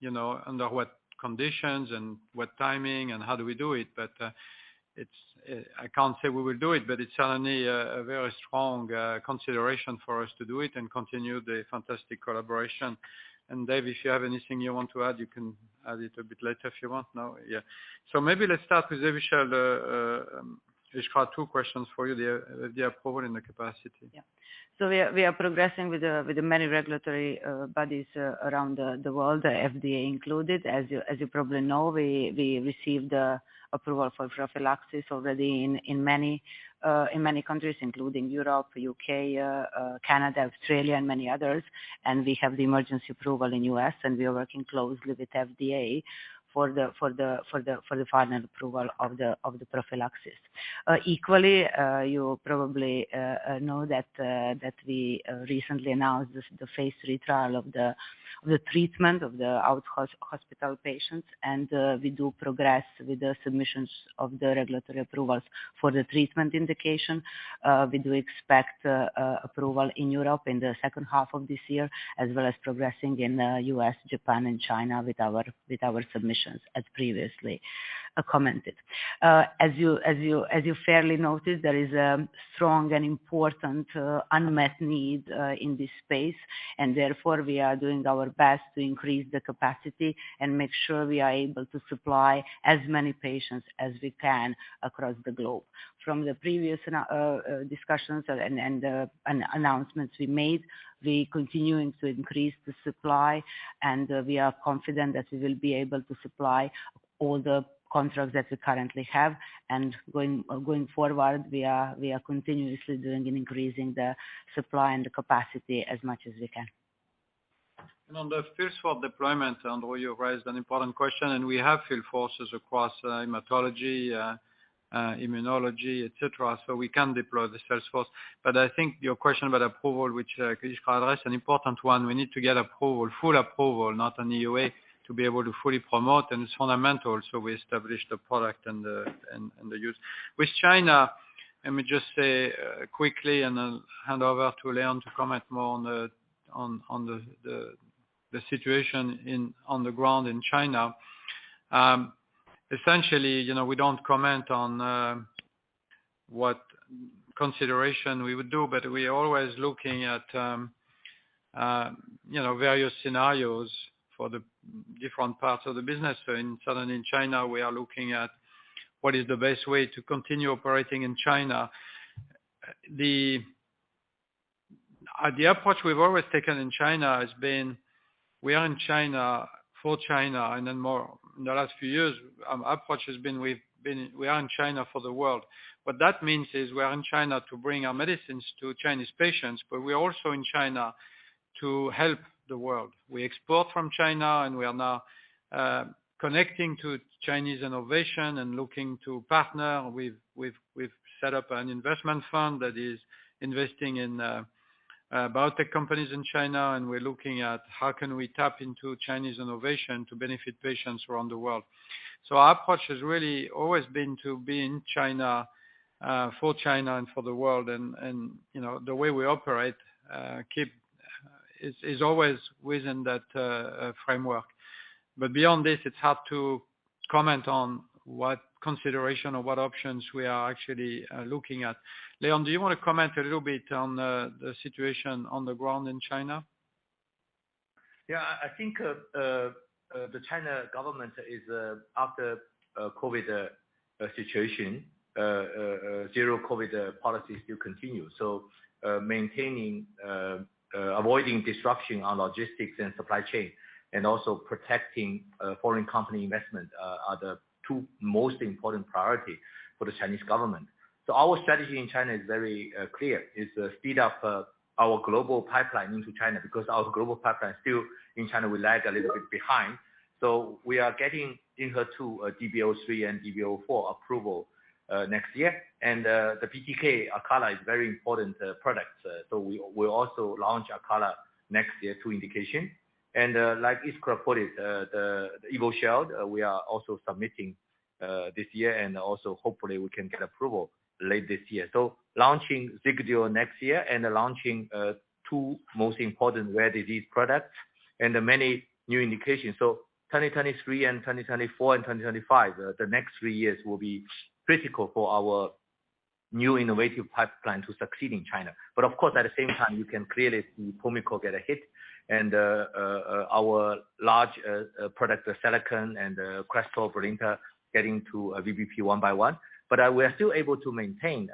you know, under what conditions and what timing and how do we do it? It's I can't say we will do it, but it's certainly a very strong consideration for us to do it and continue the fantastic collaboration. Dave, if you have anything you want to add, you can add it a bit later if you want. No? Yeah. Maybe let's start with Evusheld, Iskra, two questions for you there. Do you have power and capacity? We are progressing with the many regulatory bodies around the world, the FDA included. As you probably know, we received the approval for prophylaxis already in many countries, including Europe, U.K., Canada, Australia, and many others. We have the emergency approval in U.S., and we are working closely with FDA for the final approval of the prophylaxis. Equally, you probably know that we recently announced this, the phase III trial of the treatment of the out-of-hospital patients. We progress with the submissions of the regulatory approvals for the treatment indication. We do expect approval in Europe in the second half of this year, as well as progressing in U.S., Japan, and China with our submissions as previously commented. As you fairly noticed, there is a strong and important unmet need in this space, and therefore, we are doing our best to increase the capacity and make sure we are able to supply as many patients as we can across the globe. From the previous discussions and announcements we made, we're continuing to increase the supply, and we are confident that we will be able to supply all the contracts that we currently have. Going forward, we are continuously doing and increasing the supply and the capacity as much as we can. On the sales force deployment, Andrew you've raised an important question, and we have field forces across, hematology, immunology, et cetera, so we can deploy the sales force. I think your question about approval, which Iskra raised, an important one. We need to get approval, full approval, not an EUA, to be able to fully promote, and it's fundamental, so we establish the product and the use. With China, let me just say quickly and then hand over to Leon Wang to comment more on the situation on the ground in China. Essentially, you know, we don't comment on what consideration we would do, but we are always looking at, you know, various scenarios for the different parts of the business. In southern China, we are looking at what is the best way to continue operating in China. The approach we've always taken in China has been, we are in China for China, and then more in the last few years, our approach has been we are in China for the world. What that means is we are in China to bring our medicines to Chinese patients, but we are also in China to help the world. We export from China, and we are now connecting to Chinese innovation and looking to partner. We've set up an investment fund that is investing in biotech companies in China, and we're looking at how can we tap into Chinese innovation to benefit patients around the world. Our approach has really always been to be in China for China and for the world and, you know, the way we operate is always within that framework. Beyond this, it's hard to comment on what consideration or what options we are actually looking at. Leon, do you wanna comment a little bit on the situation on the ground in China? Yeah. I think the Chinese government is after COVID situation zero COVID policy still continue. Maintaining avoiding disruption on logistics and supply chain and also protecting foreign company investment are the two most important priority for the Chinese government. Our strategy in China is very clear. It's to speed up our global pipeline into China because our global pipeline still in China we lag a little bit behind. We are getting Enhertu DB03 and DB04 approval next year. The BTK Calquence is very important product. We also launch Calquence next year two indication. Like Iskra reported the Evusheld we are also submitting this year and also hopefully we can get approval late this year. Launching Xigduo next year and launching two most important rare disease products and many new indications. 2023 and 2024 and 2025, the next three years will be critical for our new innovative pipeline to succeed in China. Of course, at the same time, you can clearly see Pulmicort getting hit and our large product Seloken and Crestor, Brilinta getting to VBP one by one. We are still able to maintain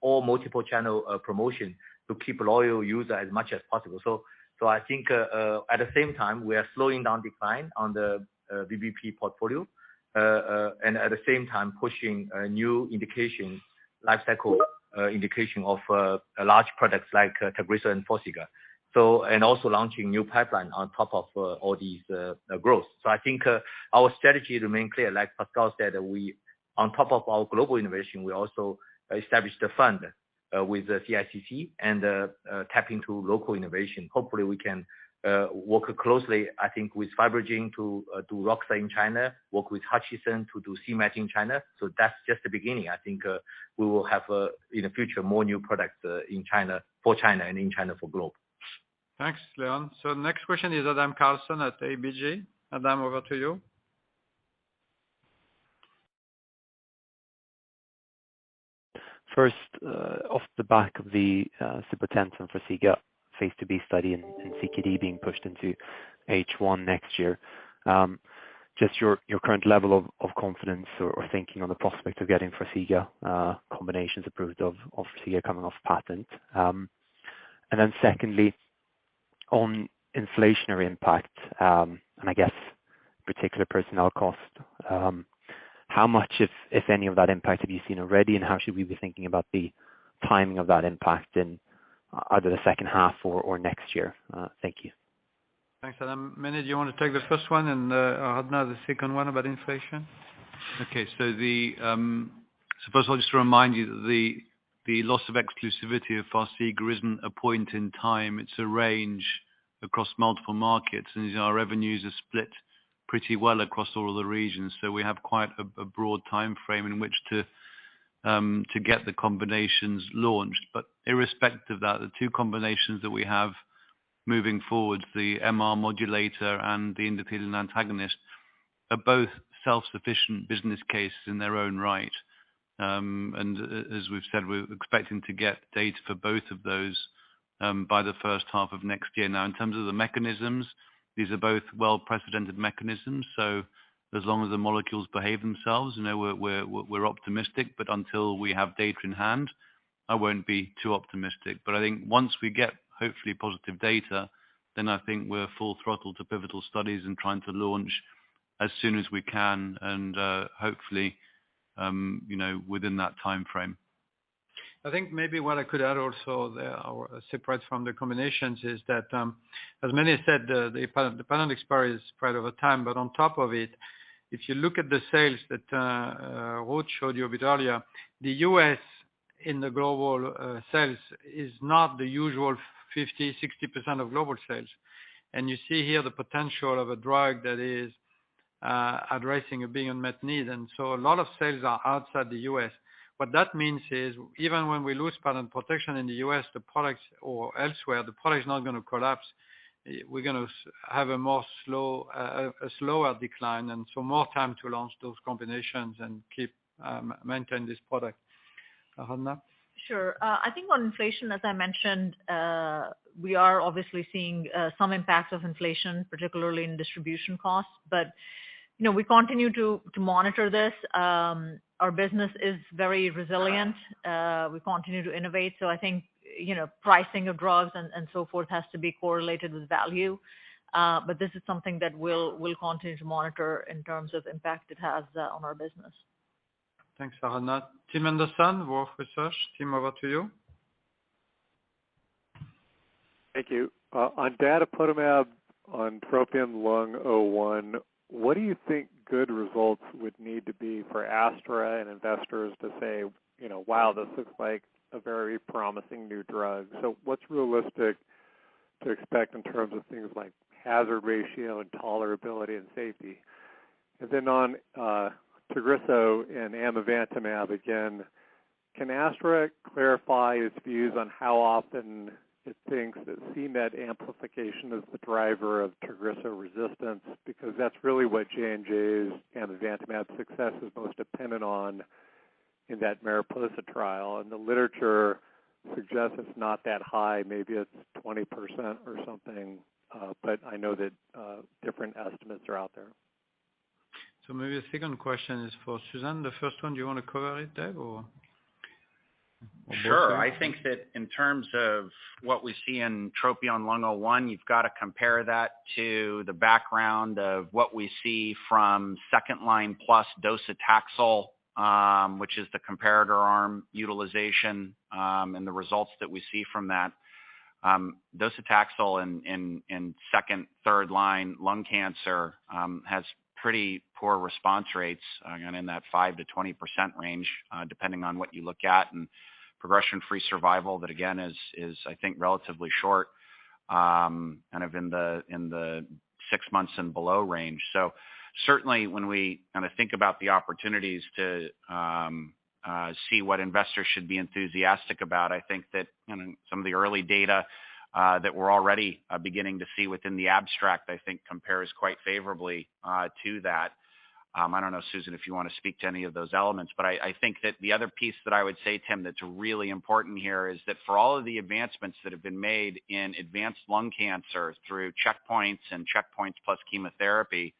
all multi-channel promotion to keep loyal user as much as possible. I think at the same time, we are slowing down decline on the VBP portfolio and at the same time pushing a new indication lifecycle indication of large products like Tagrisso and Forxiga. Launching new pipeline on top of all these growth. I think our strategy remain clear. Like Pascal said, we on top of our global innovation, we also established a fund with the CICC and tap into local innovation. Hopefully we can work closely, I think with FibroGen to do Roxadustat in China, work with HUTCHMED to do c-MET in China. That's just the beginning. I think we will have in the future more new products in China for China and in China for global. Thanks, Leon. Next question is Adam Karlsson at ABG. Adam, over to you. First, off the back of the zibotentan and Farxiga phase II-b study in CKD being pushed into H1 next year. Just your current level of confidence or thinking on the prospect of getting Farxiga combinations approved, obviously you're coming off patent. Then secondly, on inflationary impact, and I guess particularly personnel costs, how much, if any of that impact have you seen already? How should we be thinking about the timing of that impact in either the second half or next year? Thank you. Thanks, Adam. Mene, do you want to take the first one and Aradhana the second one about inflation? Okay. First I'll just remind you that the loss of exclusivity of Farxiga isn't a point in time, it's a range across multiple markets, and our revenues are split pretty well across all of the regions. We have quite a broad timeframe in which to get the combinations launched. Irrespective of that, the two combinations that we have moving forward, the MR antagonist and the endothelin antagonist, are both self-sufficient business cases in their own right. As we've said, we're expecting to get data for both of those by the first half of next year. Now, in terms of the mechanisms, these are both well precedented mechanisms. As long as the molecules behave themselves, you know, we're optimistic. Until we have data in hand, I won't be too optimistic. I think once we get hopefully positive data, then I think we're full throttle to pivotal studies and trying to launch as soon as we can and, hopefully, you know, within that timeframe. I think maybe what I could add also there, or separate from the combinations, is that, as many said, the patent expiry is spread over time. On top of it, if you look at the sales that Ruud showed you a bit earlier, the U.S. in the global sales is not the usual 50%-60% of global sales. You see here the potential of a drug that is addressing a big unmet need. A lot of sales are outside the U.S. What that means is even when we lose patent protection in the U.S., the product is not gonna collapse. We're gonna have a slower decline, more time to launch those combinations and maintain this product. Aradhana? Sure. I think on inflation, as I mentioned, we are obviously seeing some impacts of inflation, particularly in distribution costs. You know, we continue to monitor this. Our business is very resilient. We continue to innovate. I think, you know, pricing of drugs and so forth has to be correlated with value. This is something that we'll continue to monitor in terms of impact it has on our business. Thanks, Aradhana. Tim Anderson, Wolfe Research. Tim, over to you. Thank you. On datopotamab, on TROPION-Lung01, what do you think good results would need to be for Astra and investors to say, you know, "Wow, this looks like a very promising new drug"? What's realistic to expect in terms of things like hazard ratio and tolerability and safety? On Tagrisso and amivantamab, again, can Astra clarify its views on how often it thinks that c-MET amplification is the driver of Tagrisso resistance? Because that's really what J&J's amivantamab success is most dependent on in that MARIPOSA trial. The literature suggests it's not that high, maybe it's 20% or something. I know that different estimates are out there. Maybe the second question is for Susan. The first one, do you wanna cover it, Dave, or both of you? Sure. I think that in terms of what we see in TROPION-Lung01, you've got to compare that to the background of what we see from second-line plus docetaxel, which is the comparator arm utilization, and the results that we see from that. Docetaxel in second-, third-line lung cancer has pretty poor response rates, again, in that 5%-20% range, depending on what you look at. Progression-free survival, that again is I think relatively short, kind of in the 6 months and below range. Certainly when we kind of think about the opportunities to see what investors should be enthusiastic about, I think that, you know, some of the early data that we're already beginning to see within the abstract, I think compares quite favorably to that. I don't know, Susan, if you wanna speak to any of those elements, but I think that the other piece that I would say, Tim, that's really important here is that for all of the advancements that have been made in advanced lung cancer through checkpoints and checkpoints plus chemotherapy,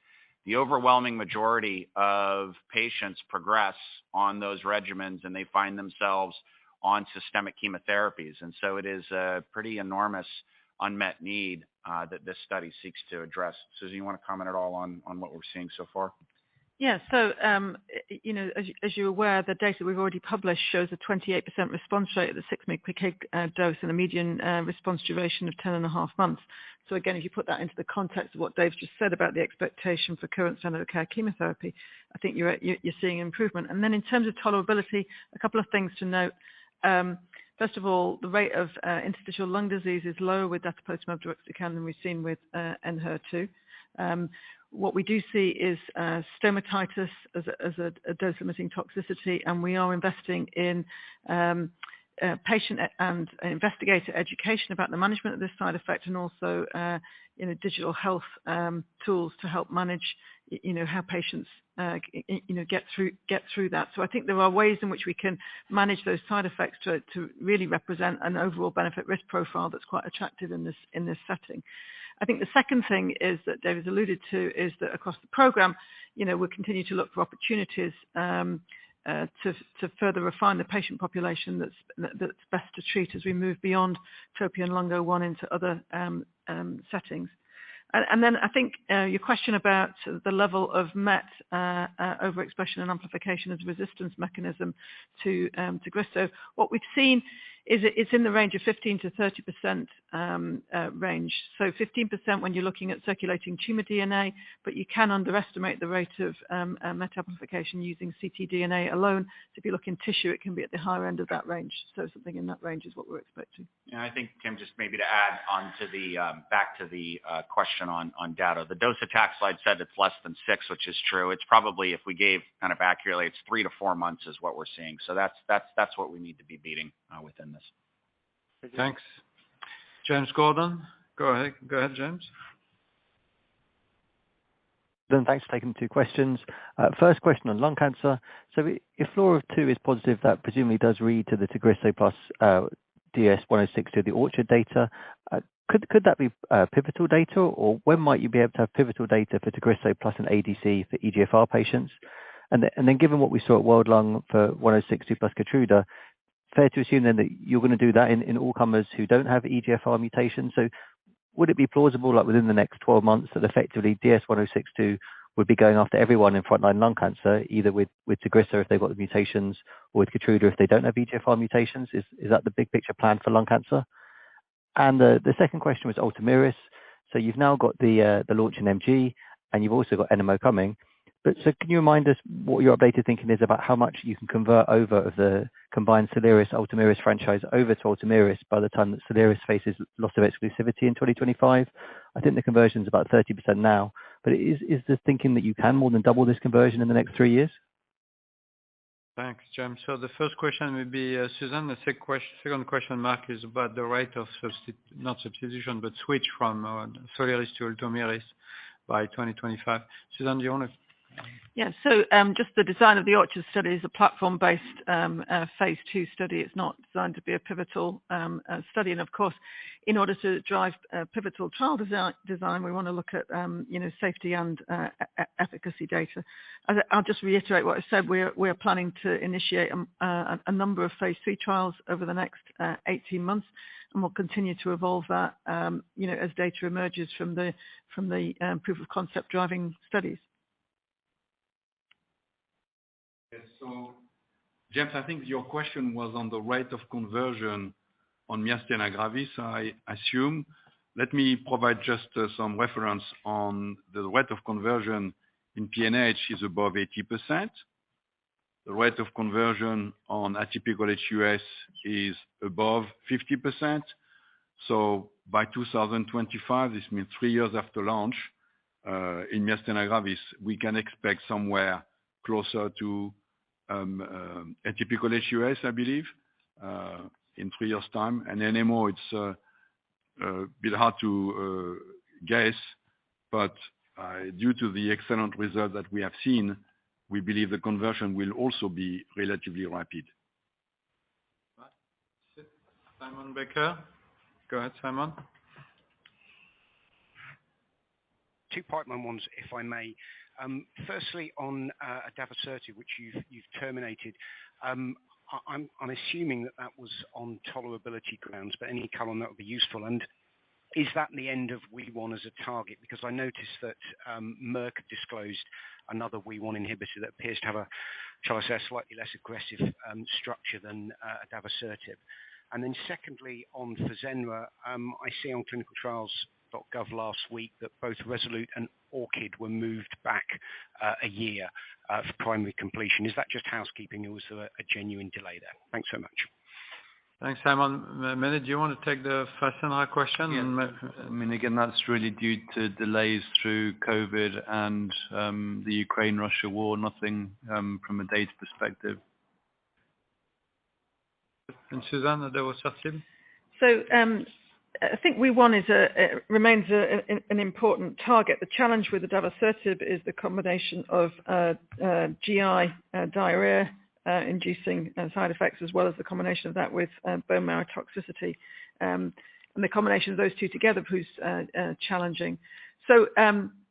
the overwhelming majority of patients progress on those regimens, and they find themselves on systemic chemotherapies. It is a pretty enormous unmet need that this study seeks to address. Susan, you wanna comment at all on what we're seeing so far? Yeah. You know, as you're aware, the data we've already published shows a 28% response rate at the 6 mg per kg dose and a median response duration of 10.5 months. Again, if you put that into the context of what Dave's just said about the expectation for current standard of care chemotherapy, I think you're seeing improvement. Then in terms of tolerability, a couple of things to note. First of all, the rate of interstitial lung disease is lower with datopotamab deruxtecan than we've seen with Enhertu. What we do see is stomatitis as a dose-limiting toxicity, and we are investing in patient and investigator education about the management of this side effect and also, you know, digital health tools to help manage, you know, how patients get through that. I think there are ways in which we can manage those side effects to really represent an overall benefit-risk profile that's quite attractive in this setting. I think the second thing is that Dave has alluded to is that across the program, you know, we'll continue to look for opportunities to further refine the patient population that's best to treat as we move beyond TROPION-Lung01 into other settings. I think your question about the level of MET overexpression and amplification as a resistance mechanism to Tagrisso. What we've seen is it's in the range of 15%-30% range. 15% when you're looking at circulating tumor DNA, but you can underestimate the rate of MET amplification using ctDNA alone. If you look in tissue, it can be at the higher end of that range. Something in that range is what we're expecting. Yeah, I think, Tim, just maybe back to the question on data. The docetaxel slide said it's less than six, which is true. It's probably, if we gave kind of accurately, it's three-four months is what we're seeing. That's what we need to be beating within this. Thanks. James Gordon. Go ahead. Go ahead, James. James, thanks for taking two questions. First question on lung cancer. If FLAURA2 is positive, that presumably does read to the Tagrisso plus DS-1062, the ORCHARD data. Could that be pivotal data? Or when might you be able to have pivotal data for Tagrisso plus an ADC for EGFR patients? And then given what we saw at World Conference on Lung Cancer for 1062 plus Keytruda, fair to assume then that you're gonna do that in all comers who don't have EGFR mutations? Would it be plausible, like within the next 12 months, that effectively DS-1062 would be going after everyone in front line lung cancer, either with Tagrisso, if they've got the mutations, or with Keytruda, if they don't have EGFR mutations? Is that the big picture plan for lung cancer? The second question was Ultomiris. You've now got the launch in MG, and you've also got NMO coming. Can you remind us what your updated thinking is about how much you can convert over of the combined Soliris, Ultomiris franchise over to Ultomiris by the time that Soliris faces loss of exclusivity in 2025? I think the conversion is about 30% now. Is the thinking that you can more than double this conversion in the next three years? Thanks, James. The first question would be, Susan. The second question, Marc, is about the rate of substitution, but switch from Soliris to Ultomiris by 2025. Susan, do you want to? Yeah. Just the design of the ORCHARD study is a platform-based phase II study. It's not designed to be a pivotal study. Of course, in order to drive pivotal trial design, we wanna look at you know, safety and efficacy data. I'll just reiterate what I said. We are planning to initiate a number of phase III trials over the next 18 months, and we'll continue to evolve that you know, as data emerges from the proof of concept driving studies. James, I think your question was on the rate of conversion on myasthenia gravis, I assume. Let me provide just some reference on the rate of conversion in PNH is above 80%. The rate of conversion on atypical HS is above 50%. By 2025, this means three years after launch, in myasthenia gravis, we can expect somewhere closer to atypical HS, I believe, in three years' time. NMO, it's a bit hard to guess, but due to the excellent results that we have seen, we believe the conversion will also be relatively rapid. Right. Simon Baker. Go ahead, Simon. Two-part questions, if I may. Firstly, on adavosertib, which you've terminated, I'm assuming that was on tolerability grounds, but any comment that would be useful. Is that the end of WEE1 as a target? Because I noticed that Merck disclosed another WEE1 inhibitor that appears to have a, shall I say, a slightly less aggressive structure than adavosertib. Secondly, on Fasenra, I see on ClinicalTrials.gov last week that both Resolute and Orchid were moved back a year for primary completion. Is that just housekeeping or was there a genuine delay there? Thanks so much. Thanks, Simon. Mene, do you want to take the Fasenra question? Yeah. I mean, again, that's really due to delays through COVID and, the Ukraine-Russia war, nothing, from a data perspective. Susan, the other question. I think WEE1 is an important target. The challenge with adavosertib is the combination of GI diarrhea inducing side effects, as well as the combination of that with bone marrow toxicity. The combination of those two together proves challenging.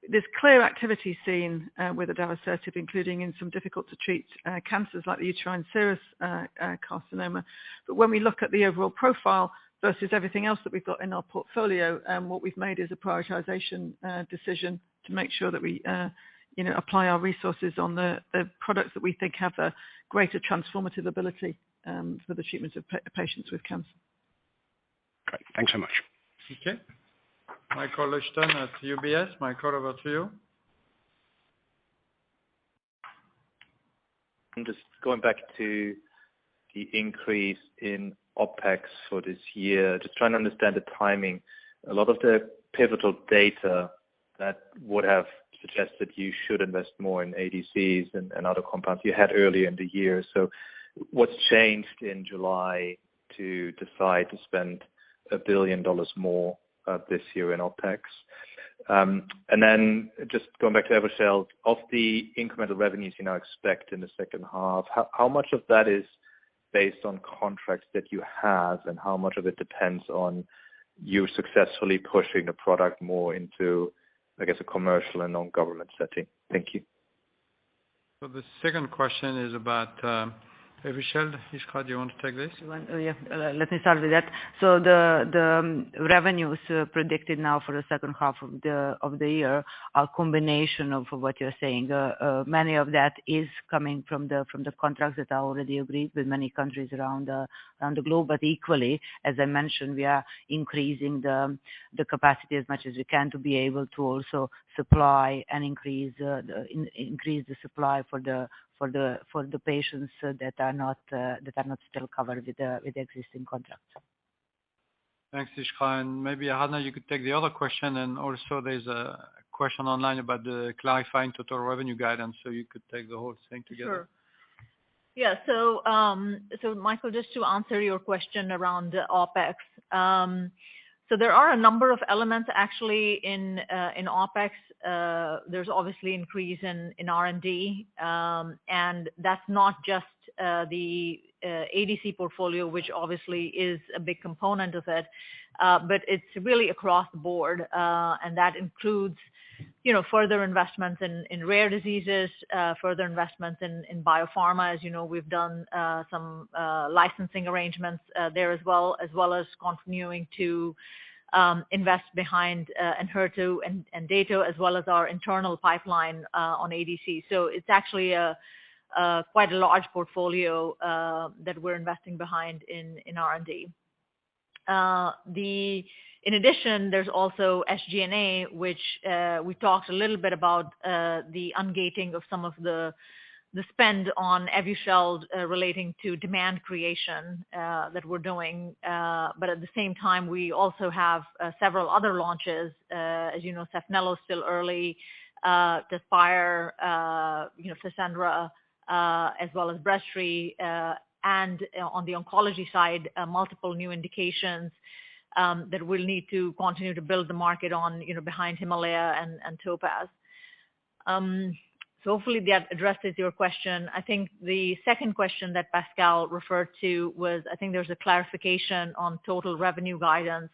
There's clear activity seen with adavosertib, including in some difficult to treat cancers like the uterine serous carcinoma. When we look at the overall profile versus everything else that we've got in our portfolio, what we've made is a prioritization decision to make sure that we you know apply our resources on the products that we think have a greater transformative ability for the treatment of patients with cancer. Great. Thanks so much. Okay. Michael Leuchten at UBS. Michael, over to you. I'm just going back to the increase in OpEx for this year, just trying to understand the timing. A lot of the pivotal data that would have suggested you should invest more in ADCs and other compounds you had earlier in the year. What's changed in July to decide to spend $1 billion more this year in OpEx? And then just going back to Evusheld, of the incremental revenues you now expect in the second half, how much of that is based on contracts that you have and how much of it depends on you successfully pushing the product more into, I guess, a commercial and non-government setting? Thank you. The second question is about Evusheld. Iskra, do you want to take this? Yeah. Let me start with that. The revenues predicted now for the second half of the year are a combination of what you're saying. Much of that is coming from the contracts that are already agreed with many countries around the globe. Equally, as I mentioned, we are increasing the capacity as much as we can to be able to also supply and increase the supply for the patients that are not still covered with the existing contracts. Thanks, Iskra. Maybe, Aradhana, you could take the other question. There's a question online about the clarifying total revenue guidance, so you could take the whole thing together. Sure. Yeah. Michael, just to answer your question around the OpEx. There are a number of elements actually in OpEx. There's obviously increase in R&D, and that's not just the ADC portfolio, which obviously is a big component of it, but it's really across the board. That includes, you know, further investments in rare diseases, further investments in biopharma. As you know, we've done some licensing arrangements there as well as continuing to invest behind Enhertu and Dato-DXd as well as our internal pipeline on ADC. It's actually quite a large portfolio that we're investing behind in R&D. In addition, there's also SG&A, which we talked a little bit about, the ungating of some of the spend on Evusheld relating to demand creation that we're doing. At the same time, we also have several other launches. As you know, Saphnelo is still early, Tezspire, you know, Fasenra, as well as Breztri. On the oncology side, multiple new indications that we'll need to continue to build the market on, you know, behind HIMALAYA and TOPAZ-1. Hopefully that addresses your question. I think the second question that Pascal referred to was, I think there was a clarification on total revenue guidance.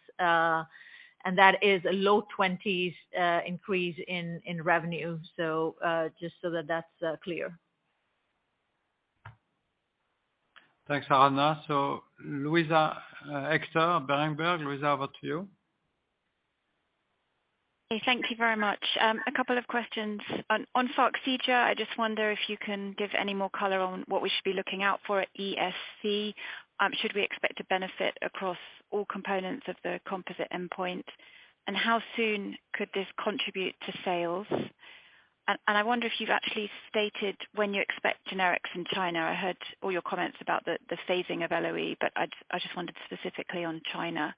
And that is a low 20s% increase in revenue. Just so that that's clear. Thanks, Aradhana. Luisa Hector, Berenberg. Luisa, over to you. Thank you very much. A couple of questions. On Farxiga, I just wonder if you can give any more color on what we should be looking out for at ESC. Should we expect a benefit across all components of the composite endpoint? And how soon could this contribute to sales? And I wonder if you've actually stated when you expect generics in China. I heard all your comments about the phasing of LOE, but I just wondered specifically on China.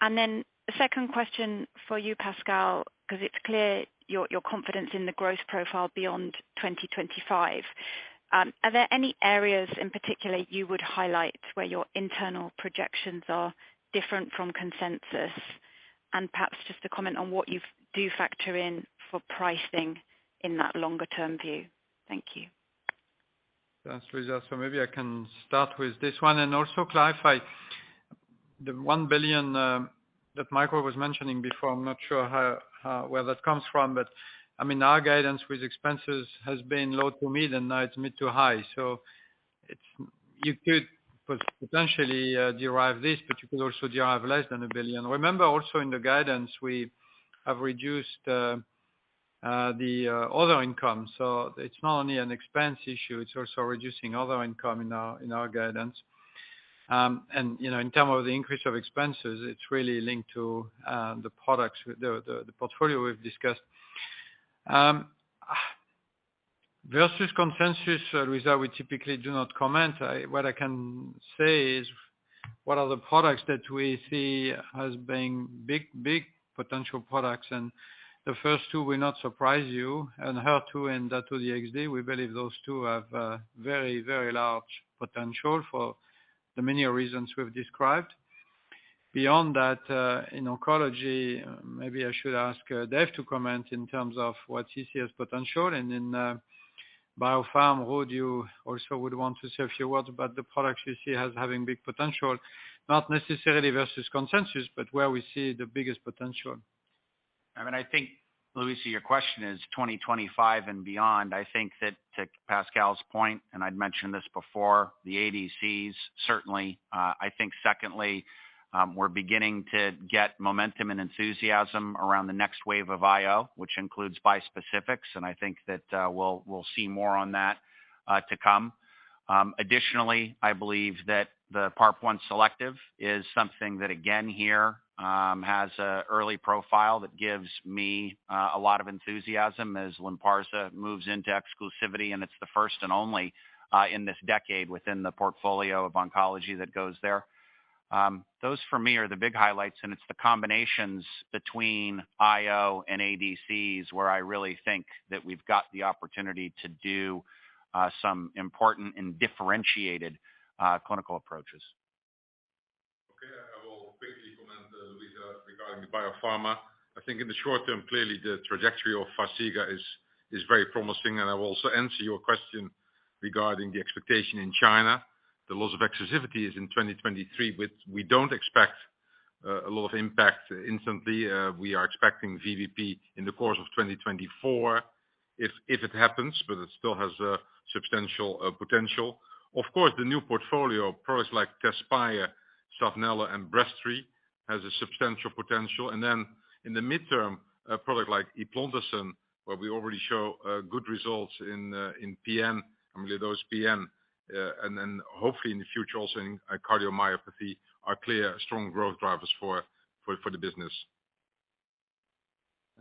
And then the second question for you, Pascal, 'cause it's clear your confidence in the growth profile beyond 2025. Are there any areas in particular you would highlight where your internal projections are different from consensus? And perhaps just a comment on what you do factor in for pricing in that longer term view. Thank you. Thanks, Luisa. Maybe I can start with this one and also clarify the $1 billion that Michael was mentioning before. I'm not sure how where that comes from. I mean, our guidance with expenses has been low to mid, and now it's mid-to-high. It's... You could potentially derive this, but you could also derive less than $1 billion. Remember also in the guidance, we have reduced the other income. It's not only an expense issue, it's also reducing other income in our guidance. And, you know, in terms of the increase of expenses, it's really linked to the products with the portfolio we've discussed. Versus consensus, Luisa, we typically do not comment. I... What I can say is what are the products that we see as being big, big potential products, and the first two will not surprise you. Enhertu and Dato-DXd, we believe those two have a very, very large potential for the many reasons we've described. Beyond that, in oncology, maybe I should ask Dave to comment in terms of what he sees as potential. In biopharm, Ruud, you also would want to say a few words about the products you see as having big potential, not necessarily versus consensus, but where we see the biggest potential. I mean, I think, Luisa, your question is 2025 and beyond. I think that to Pascal's point, and I'd mentioned this before, the ADCs certainly. I think secondly, we're beginning to get momentum and enthusiasm around the next wave of IO, which includes bispecifics, and I think that, we'll see more on that, to come. Additionally, I believe that the PARP-1 selective is something that again here, has an early profile that gives me, a lot of enthusiasm as Lynparza moves into exclusivity, and it's the first and only, in this decade within the portfolio of Oncology that goes there. Those for me are the big highlights, and it's the combinations between IO and ADCs where I really think that we've got the opportunity to do, some important and differentiated, clinical approaches. Okay. I will quickly comment, Luisa, regarding the biopharma. I think in the short term, clearly the trajectory of Farxiga is very promising, and I will also answer your question regarding the expectation in China. The loss of exclusivity is in 2023, which we don't expect a lot of impact instantly. We are expecting VBP in the course of 2024 if it happens, but it still has a substantial potential. Of course, the new portfolio of products like Tezspire, Saphnelo, and Breztri has a substantial potential. In the midterm, a product like Eplontersen, where we already show good results in PN amyloidosis PN, and then hopefully in the future also in cardiomyopathy, are clear strong growth drivers for the business.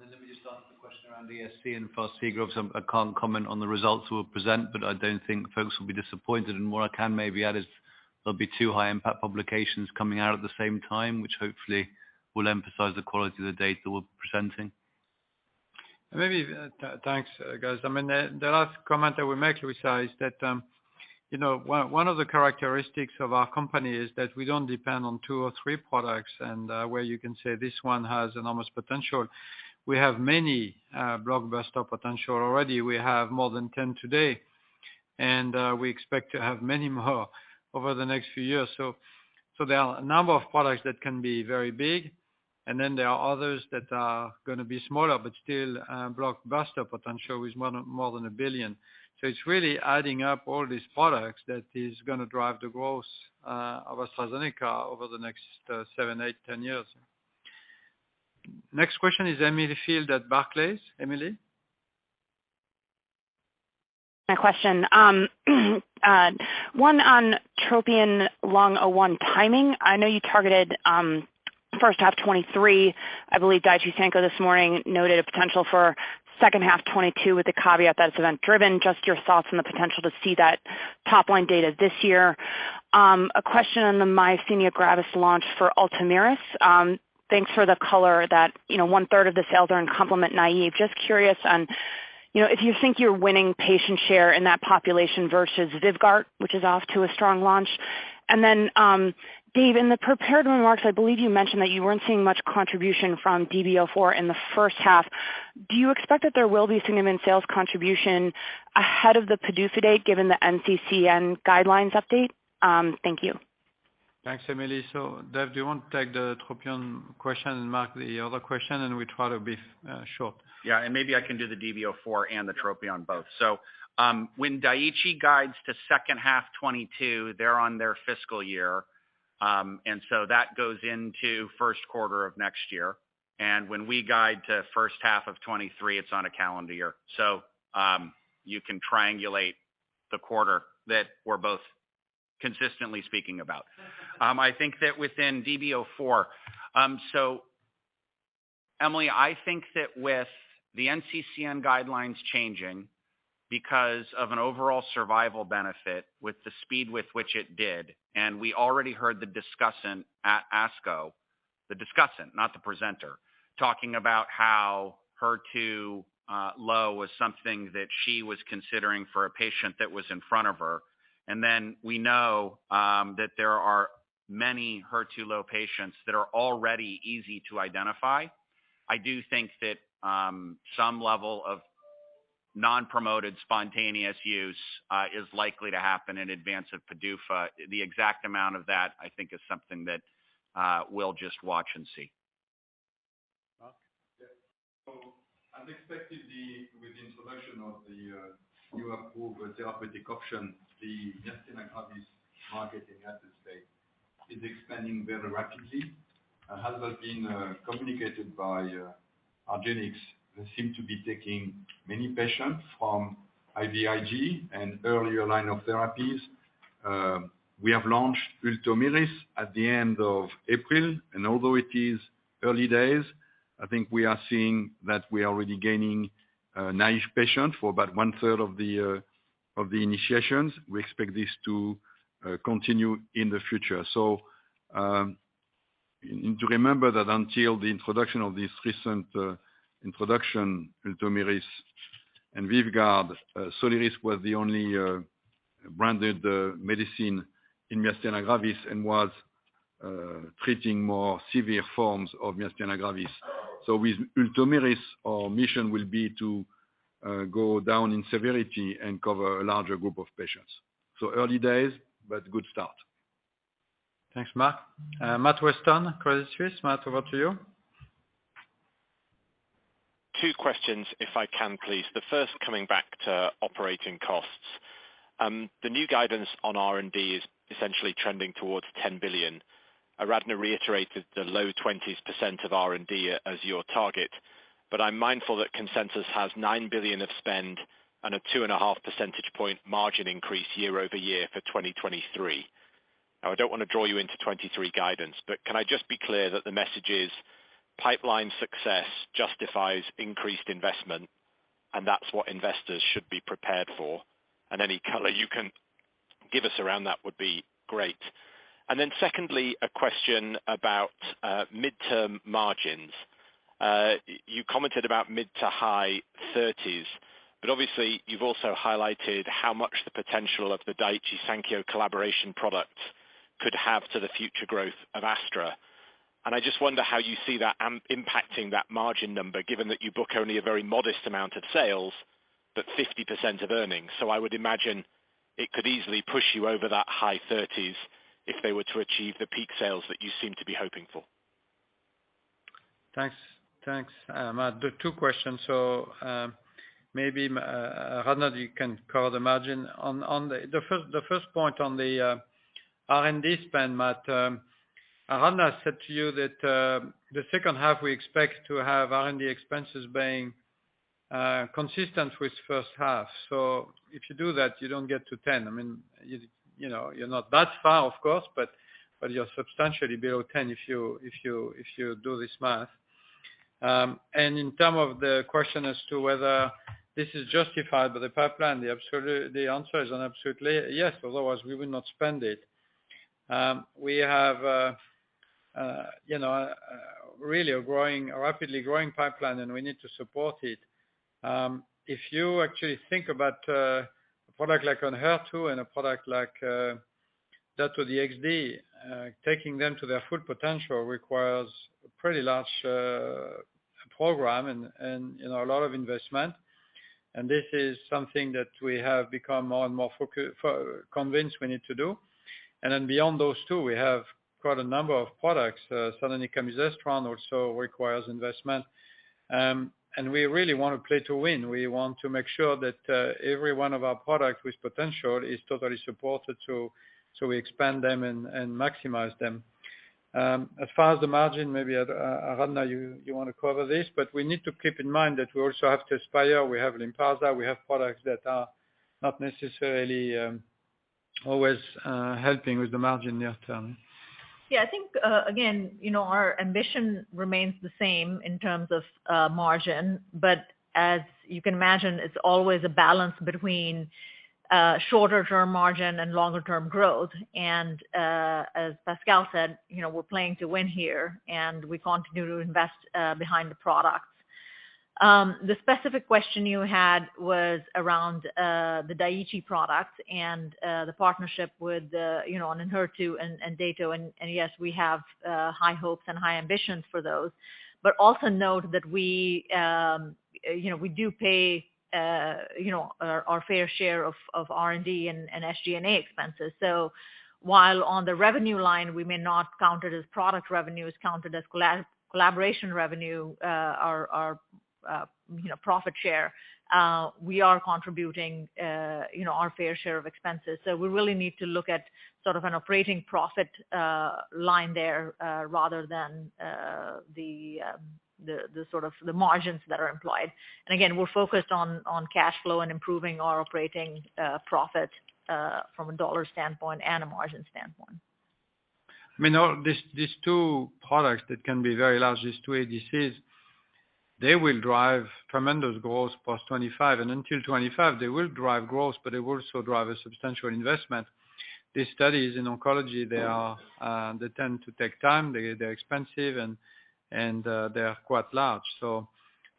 Then let me just answer the question around ESC and Farxiga. I can't comment on the results we'll present, but I don't think folks will be disappointed. What I can maybe add is there'll be two high impact publications coming out at the same time, which hopefully will emphasize the quality of the data we're presenting. Thanks, guys. I mean, the last comment I will make, Luisa, is that, you know, one of the characteristics of our company is that we don't depend on two or three products and where you can say this one has enormous potential. We have many blockbuster potential already. We have more than 10 today, and we expect to have many more over the next few years. There are a number of products that can be very big, and then there are others that are gonna be smaller, but still, blockbuster potential with more than $1 billion. It's really adding up all these products that is gonna drive the growth of AstraZeneca over the next seven, eight, 10 years. Next question is Emily Field at Barclays. Emily? My question. One on TROPION-Lung01 timing. I know you targeted first half 2023. I believe Daiichi Sankyo this morning noted a potential for second half 2022 with the caveat that it's event driven. Just your thoughts on the potential to see that top-line data this year. A question on the myasthenia gravis launch for Ultomiris. Thanks for the color that, you know, one-third of the sales are in complement naive. Just curious on, you know, if you think you're winning patient share in that population versus Vyvgart, which is off to a strong launch. Then, Dave, in the prepared remarks, I believe you mentioned that you weren't seeing much contribution from DB-04 in the first half. Do you expect that there will be significant sales contribution ahead of the PDUFA date, given the NCCN guidelines update? Thank you. Thanks, Emily. Dave, do you want to take the TROPION question and Marc the other question, and we try to be short? Yeah. Maybe I can do the DB-04 and the TROPION both. When Daiichi guides to second half 2022, they're on their fiscal year. That goes into first quarter of next year. When we guide to first half of 2023, it's on a calendar year. You can triangulate the quarter that we're both consistently speaking about. I think that within DB-04, Emily, I think that with the NCCN guidelines changing because of an overall survival benefit with the speed with which it did, we already heard the discussant at ASCO, the discussant not the presenter, talking about how HER2-low was something that she was considering for a patient that was in front of her. We know that there are many HER2-low patients that are already easy to identify. I do think that some level of non-promoted spontaneous use is likely to happen in advance of PDUFA. The exact amount of that, I think, is something that we'll just watch and see. Marc? Yeah. Unexpectedly with the introduction of the new approved therapeutic option, the myasthenia gravis market in United States is expanding very rapidly. It has been communicated by argenx. They seem to be taking many patients from IVIG and earlier line of therapies. We have launched Ultomiris at the end of April, and although it is early days, I think we are seeing that we are already gaining naive patients for about 1/3 of the initiations. We expect this to continue in the future. To remember that until the introduction of this recent introduction, Ultomiris and Vyvgart, Soliris was the only branded medicine in myasthenia gravis and was treating more severe forms of myasthenia gravis. With Ultomiris, our mission will be to go down in severity and cover a larger group of patients. Early days, but good start. Thanks, Marc. Matt Weston, Credit Suisse. Matt, over to you. Two questions if I can please. The first coming back to operating costs. The new guidance on R&D is essentially trending towards $10 billion. Aradhana Sarin reiterated the low 20s% of R&D as your target, but I'm mindful that consensus has $9 billion of spend and a 2.5 percentage point margin increase year-over-year for 2023. Now, I don't want to draw you into 2023 guidance, but can I just be clear that the message is pipeline success justifies increased investment and that's what investors should be prepared for? Any color you can give us around that would be great. Secondly, a question about midterm margins. You commented about mid-to-high 30s, but obviously you've also highlighted how much the potential of the Daiichi Sankyo collaboration product could have to the future growth of Astra. I just wonder how you see that impacting that margin number, given that you book only a very modest amount of sales, but 50% of earnings. I would imagine it could easily push you over that high thirties if they were to achieve the peak sales that you seem to be hoping for. Thanks. Thanks, Matt. The two questions. Maybe Aradhana you can cover the margin. On the first point on the R&D spend, Matt, Aradhana said to you that the second half we expect to have R&D expenses being consistent with first half. If you do that, you don't get to ten. I mean, you know, you're not that far of course, but you're substantially below ten if you do this math. In terms of the question as to whether this is justified by the pipeline, the answer is absolutely yes, because otherwise we would not spend it. We have, you know, really a rapidly growing pipeline, and we need to support it. If you actually think about a product like Enhertu and a product like Dato-DXd, taking them to their full potential requires a pretty large program and, you know, a lot of investment. This is something that we have become more and more convinced we need to do. Then beyond those two, we have quite a number of products. Sotorasib also requires investment. We really want to play to win. We want to make sure that every one of our products with potential is totally supported so we expand them and maximize them. As far as the margin, maybe Aradhana Sarin, you wanna cover this, but we need to keep in mind that we also have Tezspire, we have Lynparza, we have products that are not necessarily always helping with the margin near term. Yeah, I think, again, you know, our ambition remains the same in terms of margin. As you can imagine, it's always a balance between shorter term margin and longer term growth. As Pascal said, you know, we're playing to win here, and we continue to invest behind the products. The specific question you had was around the Daiichi product and the partnership with you know on Enhertu and Dato. Yes, we have high hopes and high ambitions for those. Also note that we, you know, we do pay you know our fair share of R&D and SG&A expenses. While on the revenue line, we may not count it as product revenue, it's counted as collaboration revenue, you know, profit share, we are contributing, you know, our fair share of expenses. We really need to look at sort of an operating profit line there, rather than the sort of margins that are employed. Again, we're focused on cashflow and improving our operating profit from a dollar standpoint and a margin standpoint. I mean, all these two products that can be very large, these two ADCs, they will drive tremendous growth post 2025. Until 2025, they will drive growth, but they will also drive a substantial investment. These studies in oncology, they tend to take time, they're expensive and they are quite large.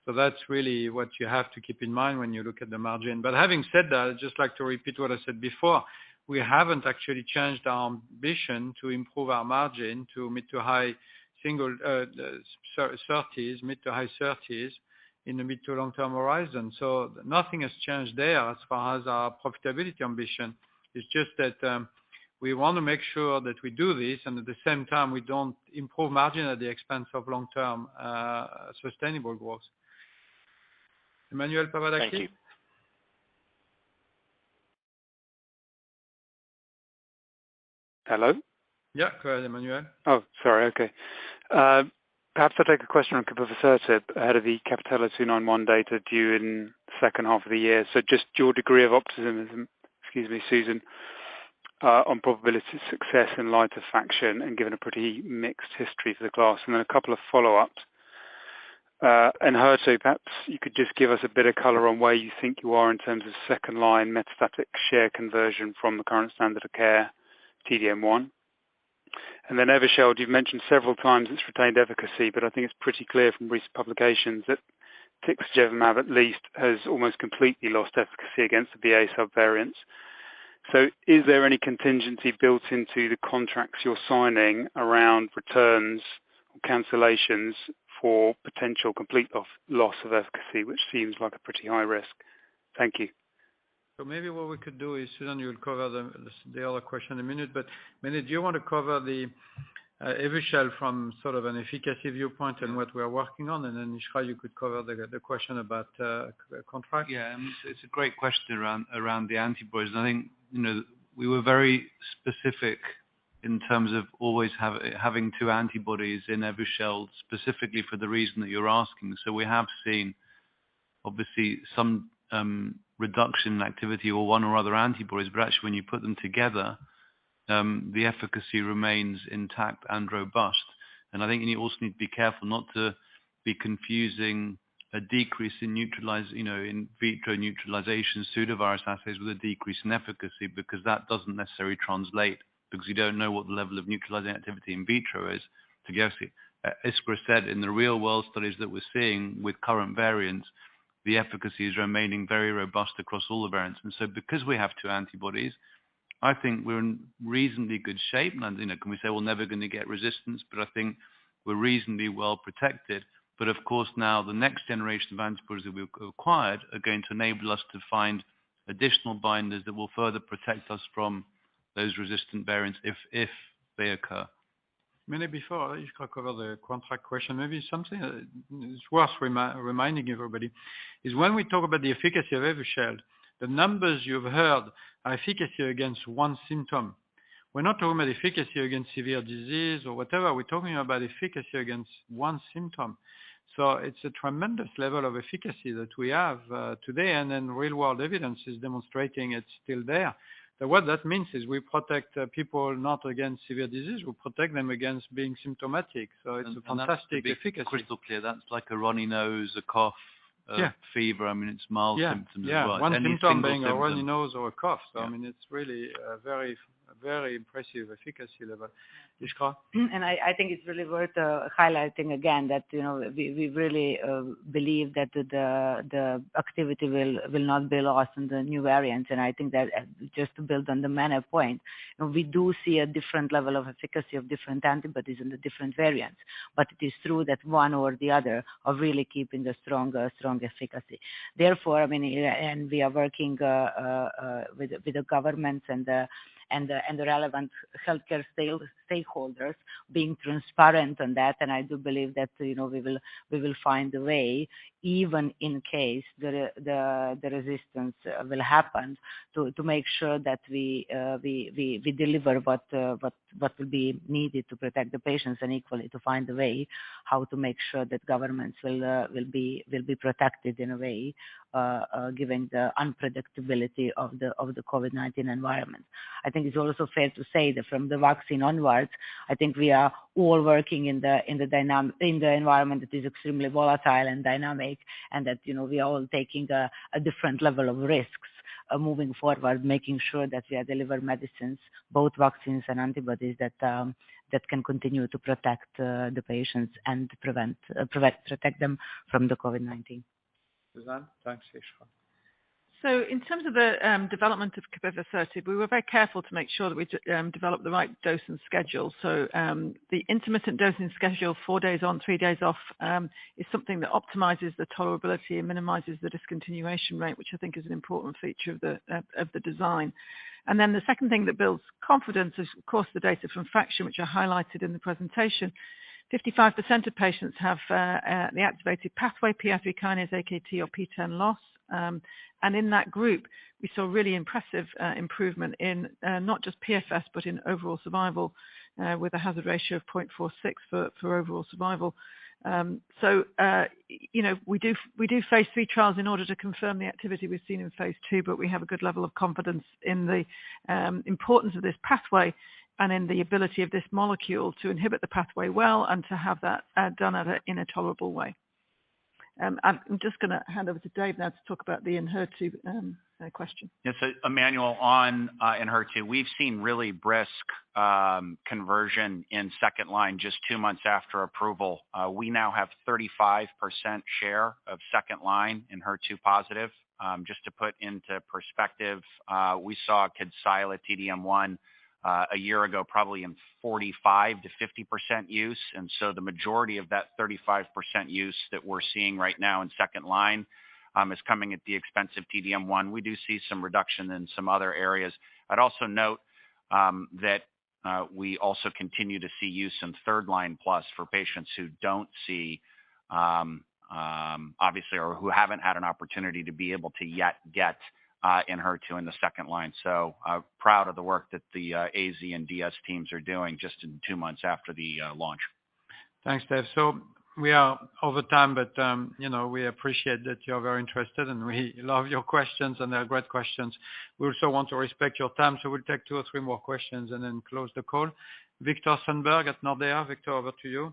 That's really what you have to keep in mind when you look at the margin. Having said that, I'd just like to repeat what I said before. We haven't actually changed our ambition to improve our margin to mid-to-high 30s in the mid-to-long-term horizon. Nothing has changed there as far as our profitability ambition. It's just that, we wanna make sure that we do this, and at the same time, we don't improve margin at the expense of long-term, sustainable growth. Emmanuel Papadakis. Thank you. Hello? Yeah, go ahead, Emmanuel. Perhaps I'll take a question on capivasertib out of the CAPItello-291 data due in second half of the year. Just your degree of optimism, excuse me, Susan, on probability of success in light of FAKTION and given a pretty mixed history for the class. A couple of follow-ups. HER2, perhaps you could just give us a bit of color on where you think you are in terms of second line metastatic share conversion from the current standard of care, T-DM1. Evusheld, you've mentioned several times its retained efficacy, but I think it's pretty clear from recent publications that tixagevimab at least has almost completely lost efficacy against the BA subvariants. Is there any contingency built into the contracts you're signing around returns, cancellations for potential complete loss of efficacy, which seems like a pretty high risk? Thank you. Maybe what we could do is, Susan, you'll cover the other question in a minute. Mene, do you wanna cover the Evusheld from sort of an efficacy viewpoint and what we are working on? Then, Israk, you could cover the question about co-contract. It's a great question around the antibodies. I think, you know, we were very specific in terms of always having two antibodies in Evusheld, specifically for the reason that you're asking. We have seen obviously some reduction in activity of one or other antibodies, but actually when you put them together, the efficacy remains intact and robust. I think you also need to be careful not to be confusing a decrease in neutralization, you know, in vitro neutralization pseudovirus assays with a decrease in efficacy because that doesn't necessarily translate because you don't know what the level of neutralizing activity in vitro is. Iskra said in the real world studies that we're seeing with current variants, the efficacy is remaining very robust across all the variants. Because we have two antibodies, I think we're in reasonably good shape. You know, can we say we're never gonna get resistance? I think we're reasonably well protected. Of course now the next generation of antibodies that we've acquired are going to enable us to find additional binders that will further protect us from those resistant variants if they occur. Mene Pangalos, before you cover the contract question, maybe something, it's worth reminding everybody, is when we talk about the efficacy of Evusheld, the numbers you've heard are efficacy against one symptom. We're not talking about efficacy against severe disease or whatever. We're talking about efficacy against one symptom. It's a tremendous level of efficacy that we have, today. Real-world evidence is demonstrating it's still there. What that means is we protect people not against severe disease, we protect them against being symptomatic. It's a fantastic efficacy. To be crystal clear, that's like a runny nose, a cough. Yeah. a fever. I mean, it's mild symptoms as well. Yeah. Yeah. One symptom being a runny nose or a cough. I mean, it's really a very, very impressive efficacy level. Iskra? I think it's really worth highlighting again that, you know, we really believe that the activity will not be lost in the new variants. I think that just to build on the Mene point, you know, we do see a different level of efficacy of different antibodies in the different variants, but it is true that one or the other are really keeping the strong efficacy. Therefore, I mean, we are working with the governments and the relevant healthcare stakeholders. Being transparent on that, I do believe that, you know, we will find a way, even in case the resistance will happen to make sure that we deliver what will be needed to protect the patients and equally to find a way how to make sure that governments will be protected in a way, given the unpredictability of the COVID-19 environment. I think it's also fair to say that from the vaccine onwards, I think we are all working in the environment that is extremely volatile and dynamic and that, you know, we are all taking a different level of risks moving forward, making sure that we are delivering medicines, both vaccines and antibodies that can continue to protect the patients and prevent protect them from the COVID-19. Susan? Thanks, Susan. In terms of the development of Capivasertib, we were very careful to make sure that we developed the right dose and schedule. The intermittent dosing schedule, four days on, three days off, is something that optimizes the tolerability and minimizes the discontinuation rate, which I think is an important feature of the design. Then the second thing that builds confidence is, of course, the data from FAKTION, which I highlighted in the presentation. 55% of patients have the activated pathway, PI3K, AKT or PTEN loss. In that group, we saw really impressive improvement in not just PFS, but in overall survival, with a hazard ratio of 0.46 for overall survival. You know, we do phase III trials in order to confirm the activity we've seen in phase II, but we have a good level of confidence in the importance of this pathway and in the ability of this molecule to inhibit the pathway well and to have that done in a tolerable way. I'm just gonna hand over to Dave now to talk about the Enhertu question. Yes. Emmanuel, on Enhertu, we've seen really brisk conversion in second line just two months after approval. We now have 35% share of second line HER2-positive. Just to put into perspective, we saw Kadcyla, T-DM1, a year ago, probably in 45%-50% use. The majority of that 35% use that we're seeing right now in second line is coming at the expense of T-DM1. We do see some reduction in some other areas. I'd also note that we also continue to see use in third line plus for patients who don't see obviously or who haven't had an opportunity to be able to yet get Enhertu in the second line. I'm proud of the work that the AZ and DS teams are doing just in two months after the launch. Thanks, Dave. We are over time, but, you know, we appreciate that you're very interested, and we love your questions, and they are great questions. We also want to respect your time, so we'll take two or three more questions and then close the call. Viktor Sundberg at Nordea. Victor, over to you.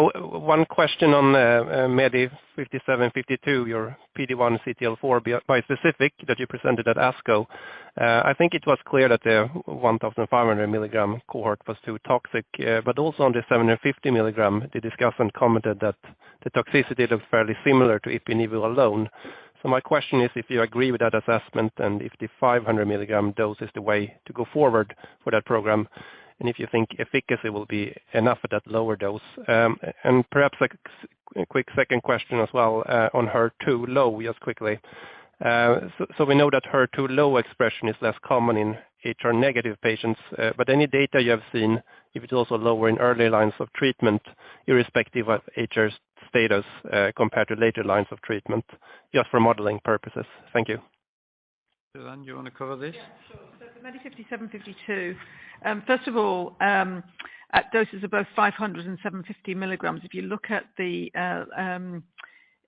One question on MEDI5752, your PD-1 CTLA-4 bispecific that you presented at ASCO. I think it was clear that the 1500 milligram cohort was too toxic. But also on the 750 milligram, the discussant commented that the toxicity looked fairly similar to Ipilimumab alone. My question is if you agree with that assessment and if the 500 milligram dose is the way to go forward for that program, and if you think efficacy will be enough at that lower dose. Perhaps a quick second question as well, on HER2-low, just quickly. We know that HER2-low expression is less common in HR-negative patients, but any data you have seen, if it's also lower in early lines of treatment, irrespective of HR status, compared to later lines of treatment, just for modeling purposes. Thank you. Susan, do you want to cover this? Yeah, sure. For MEDI5752, first of all, at doses of both 500 and 750 milligrams, if you look at the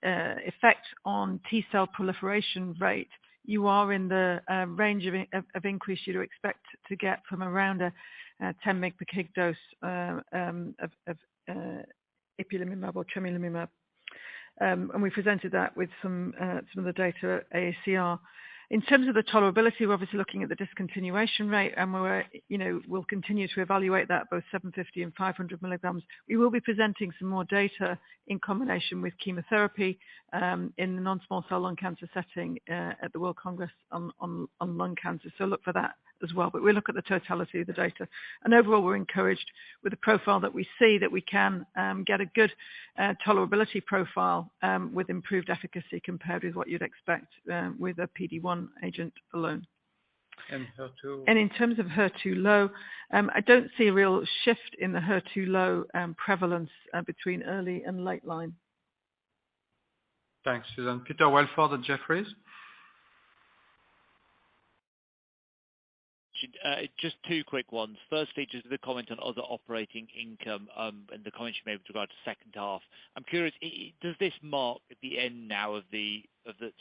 effect on T-cell proliferation rate, you are in the range of increase you'd expect to get from around a 10 mg per kg dose of Ipilimumab or Tremelimumab. We presented that with some of the data at AACR. In terms of the tolerability, we're obviously looking at the discontinuation rate, and we're, you know, we'll continue to evaluate that both 750 and 500 milligrams. We will be presenting some more data in combination with chemotherapy in the non-small cell lung cancer setting at the World Conference on Lung Cancer. Look for that as well. We look at the totality of the data. Overall, we're encouraged with the profile that we see that we can get a good tolerability profile with improved efficacy compared with what you'd expect with a PD-1 agent alone. HER2? In terms of HER2-low, I don't see a real shift in the HER2-low prevalence between early and late line. Thanks, Susan. Peter Welford at Jefferies. Just two quick ones. First, maybe just the comment on other operating income, and the comment you made about the second half. I'm curious, does this mark the end now of the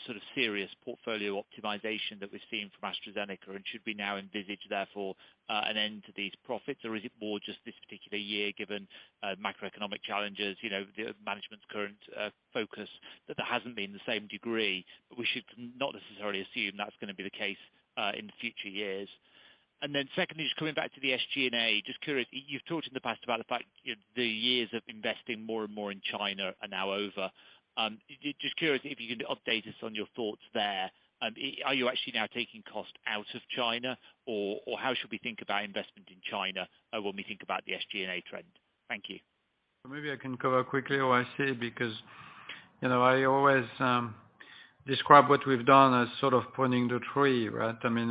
sort of serious portfolio optimization that we're seeing from AstraZeneca, and should we now envisage therefore an end to these profits? Or is it more just this particular year, given macroeconomic challenges, you know, the management's current focus, that there hasn't been the same degree, but we should not necessarily assume that's gonna be the case in future years? And then secondly, just coming back to the SG&A. Just curious, you've talked in the past about the fact, you know, the years of investing more and more in China are now over. Just curious if you can update us on your thoughts there. Are you actually now taking cost out of China or how should we think about investment in China, when we think about the SG&A trend? Thank you. Maybe I can cover quickly. You know, I always describe what we've done as sort of pruning the tree, right? I mean,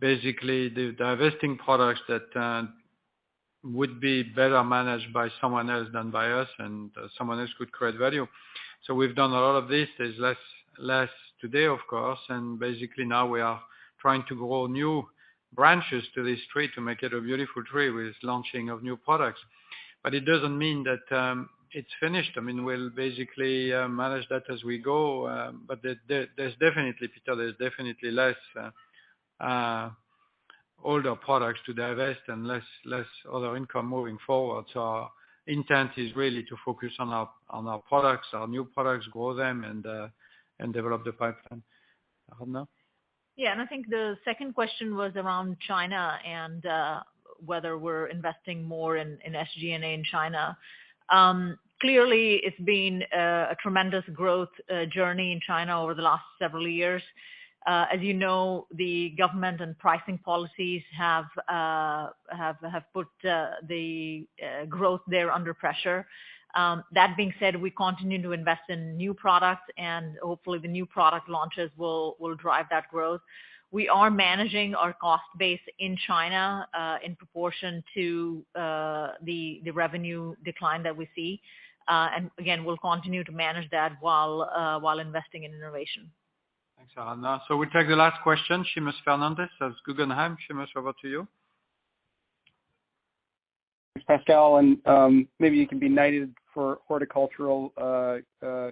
basically divesting products that would be better managed by someone else than by us and someone else could create value. We've done a lot of this. There's less today, of course. Basically now we are trying to grow new branches to this tree to make it a beautiful tree with launching of new products. But it doesn't mean that it's finished. I mean, we'll basically manage that as we go, but there's definitely, Peter, less older products to divest and less other income moving forward. Our intent is really to focus on our products, our new products, grow them and develop the pipeline. Aradhana? Yeah. I think the second question was around China and whether we're investing more in SG&A in China. Clearly it's been a tremendous growth journey in China over the last several years. As you know, the government and pricing policies have put the growth there under pressure. That being said, we continue to invest in new products, and hopefully the new product launches will drive that growth. We are managing our cost base in China in proportion to the revenue decline that we see. Again, we'll continue to manage that while investing in innovation. Thanks, Aradhana. We take the last question, Seamus Fernandez of Guggenheim. Seamus, over to you. Thanks, Pascal, and, maybe you can be knighted for horticultural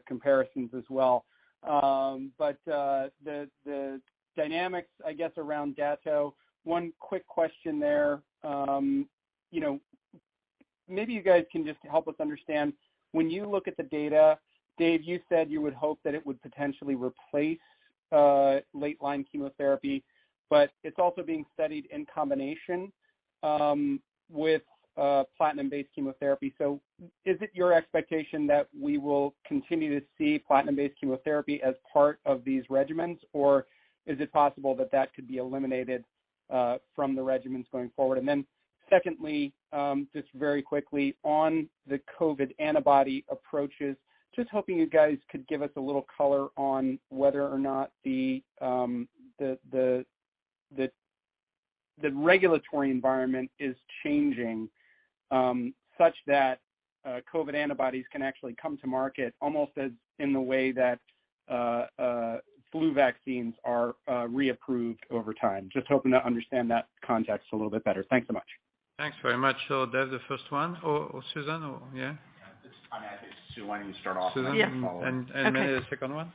comparisons as well. The dynamics, I guess, around Dato-DXd, one quick question there. You know, maybe you guys can just help us understand, when you look at the data, Dave, you said you would hope that it would potentially replace late line chemotherapy, but it's also being studied in combination with platinum-based chemotherapy. Is it your expectation that we will continue to see platinum-based chemotherapy as part of these regimens, or is it possible that that could be eliminated from the regimens going forward? Secondly, just very quickly on the COVID antibody approaches, just hoping you guys could give us a little color on whether or not the regulatory environment is changing such that COVID antibodies can actually come to market almost as in the way that flu vaccines are reapproved over time. Just hoping to understand that context a little bit better. Thanks so much. Thanks very much. Dave, the first one, or Susan, or yeah. I mean, I think, Susan, why don't you start off? Susan. Yeah. Mene the second one.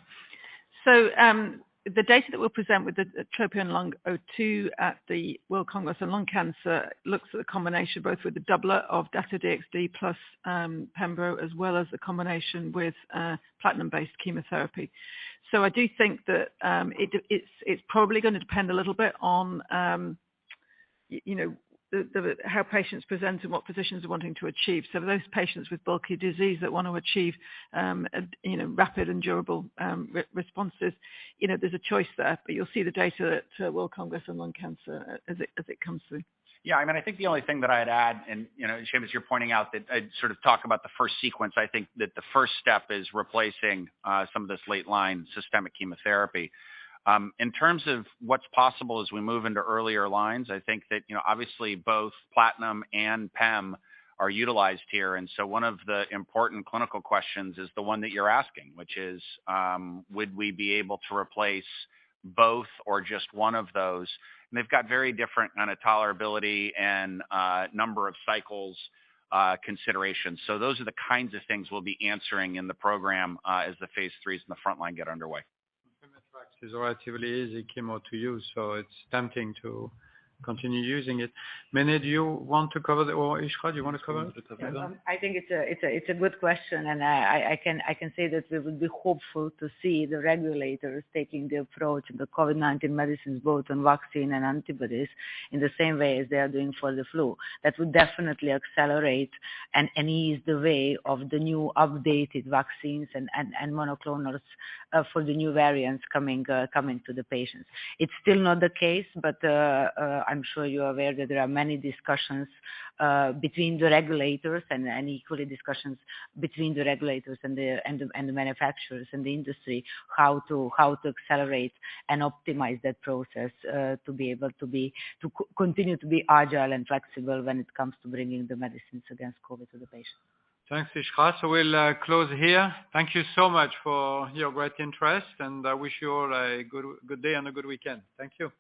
The data that we'll present with the TROPION-Lung02 at the World Conference on Lung Cancer looks at the combination both with datopotamab deruxtecan plus pembro, as well as the combination with platinum-based chemotherapy. I do think that it's probably gonna depend a little bit on you know, how patients present and what physicians are wanting to achieve. For those patients with bulky disease that wanna achieve you know, rapid and durable responses, you know, there's a choice there. You'll see the data at World Conference on Lung Cancer as it comes through. Yeah, I mean, I think the only thing that I'd add, and, you know, Seamus, you're pointing out that I'd sort of talk about the first sequence. I think that the first step is replacing some of this late line systemic chemotherapy. In terms of what's possible as we move into earlier lines, I think that, you know, obviously both platinum and pem are utilized here. One of the important clinical questions is the one that you're asking, which is would we be able to replace both or just one of those? They've got very different kind of tolerability and number of cycles considerations. Those are the kinds of things we'll be answering in the program as the phase IIIs in the front line get underway. Pemetrexed is a relatively easy chemo to use, so it's tempting to continue using it. Mene, do you want to cover, or Iskra, do you want to cover? I think it's a good question. I can say that we would be hopeful to see the regulators taking the approach of the COVID-19 medicines, both on vaccine and antibodies, in the same way as they are doing for the flu. That would definitely accelerate and ease the way of the new updated vaccines and monoclonals for the new variants coming to the patients. It's still not the case. I'm sure you're aware that there are many discussions between the regulators and equally discussions between the regulators and the manufacturers and the industry, how to accelerate and optimize that process, to be able to continue to be agile and flexible when it comes to bringing the medicines against COVID to the patient. Thanks, Iskra Reic. We'll close here. Thank you so much for your great interest, and I wish you all a good day and a good weekend. Thank you.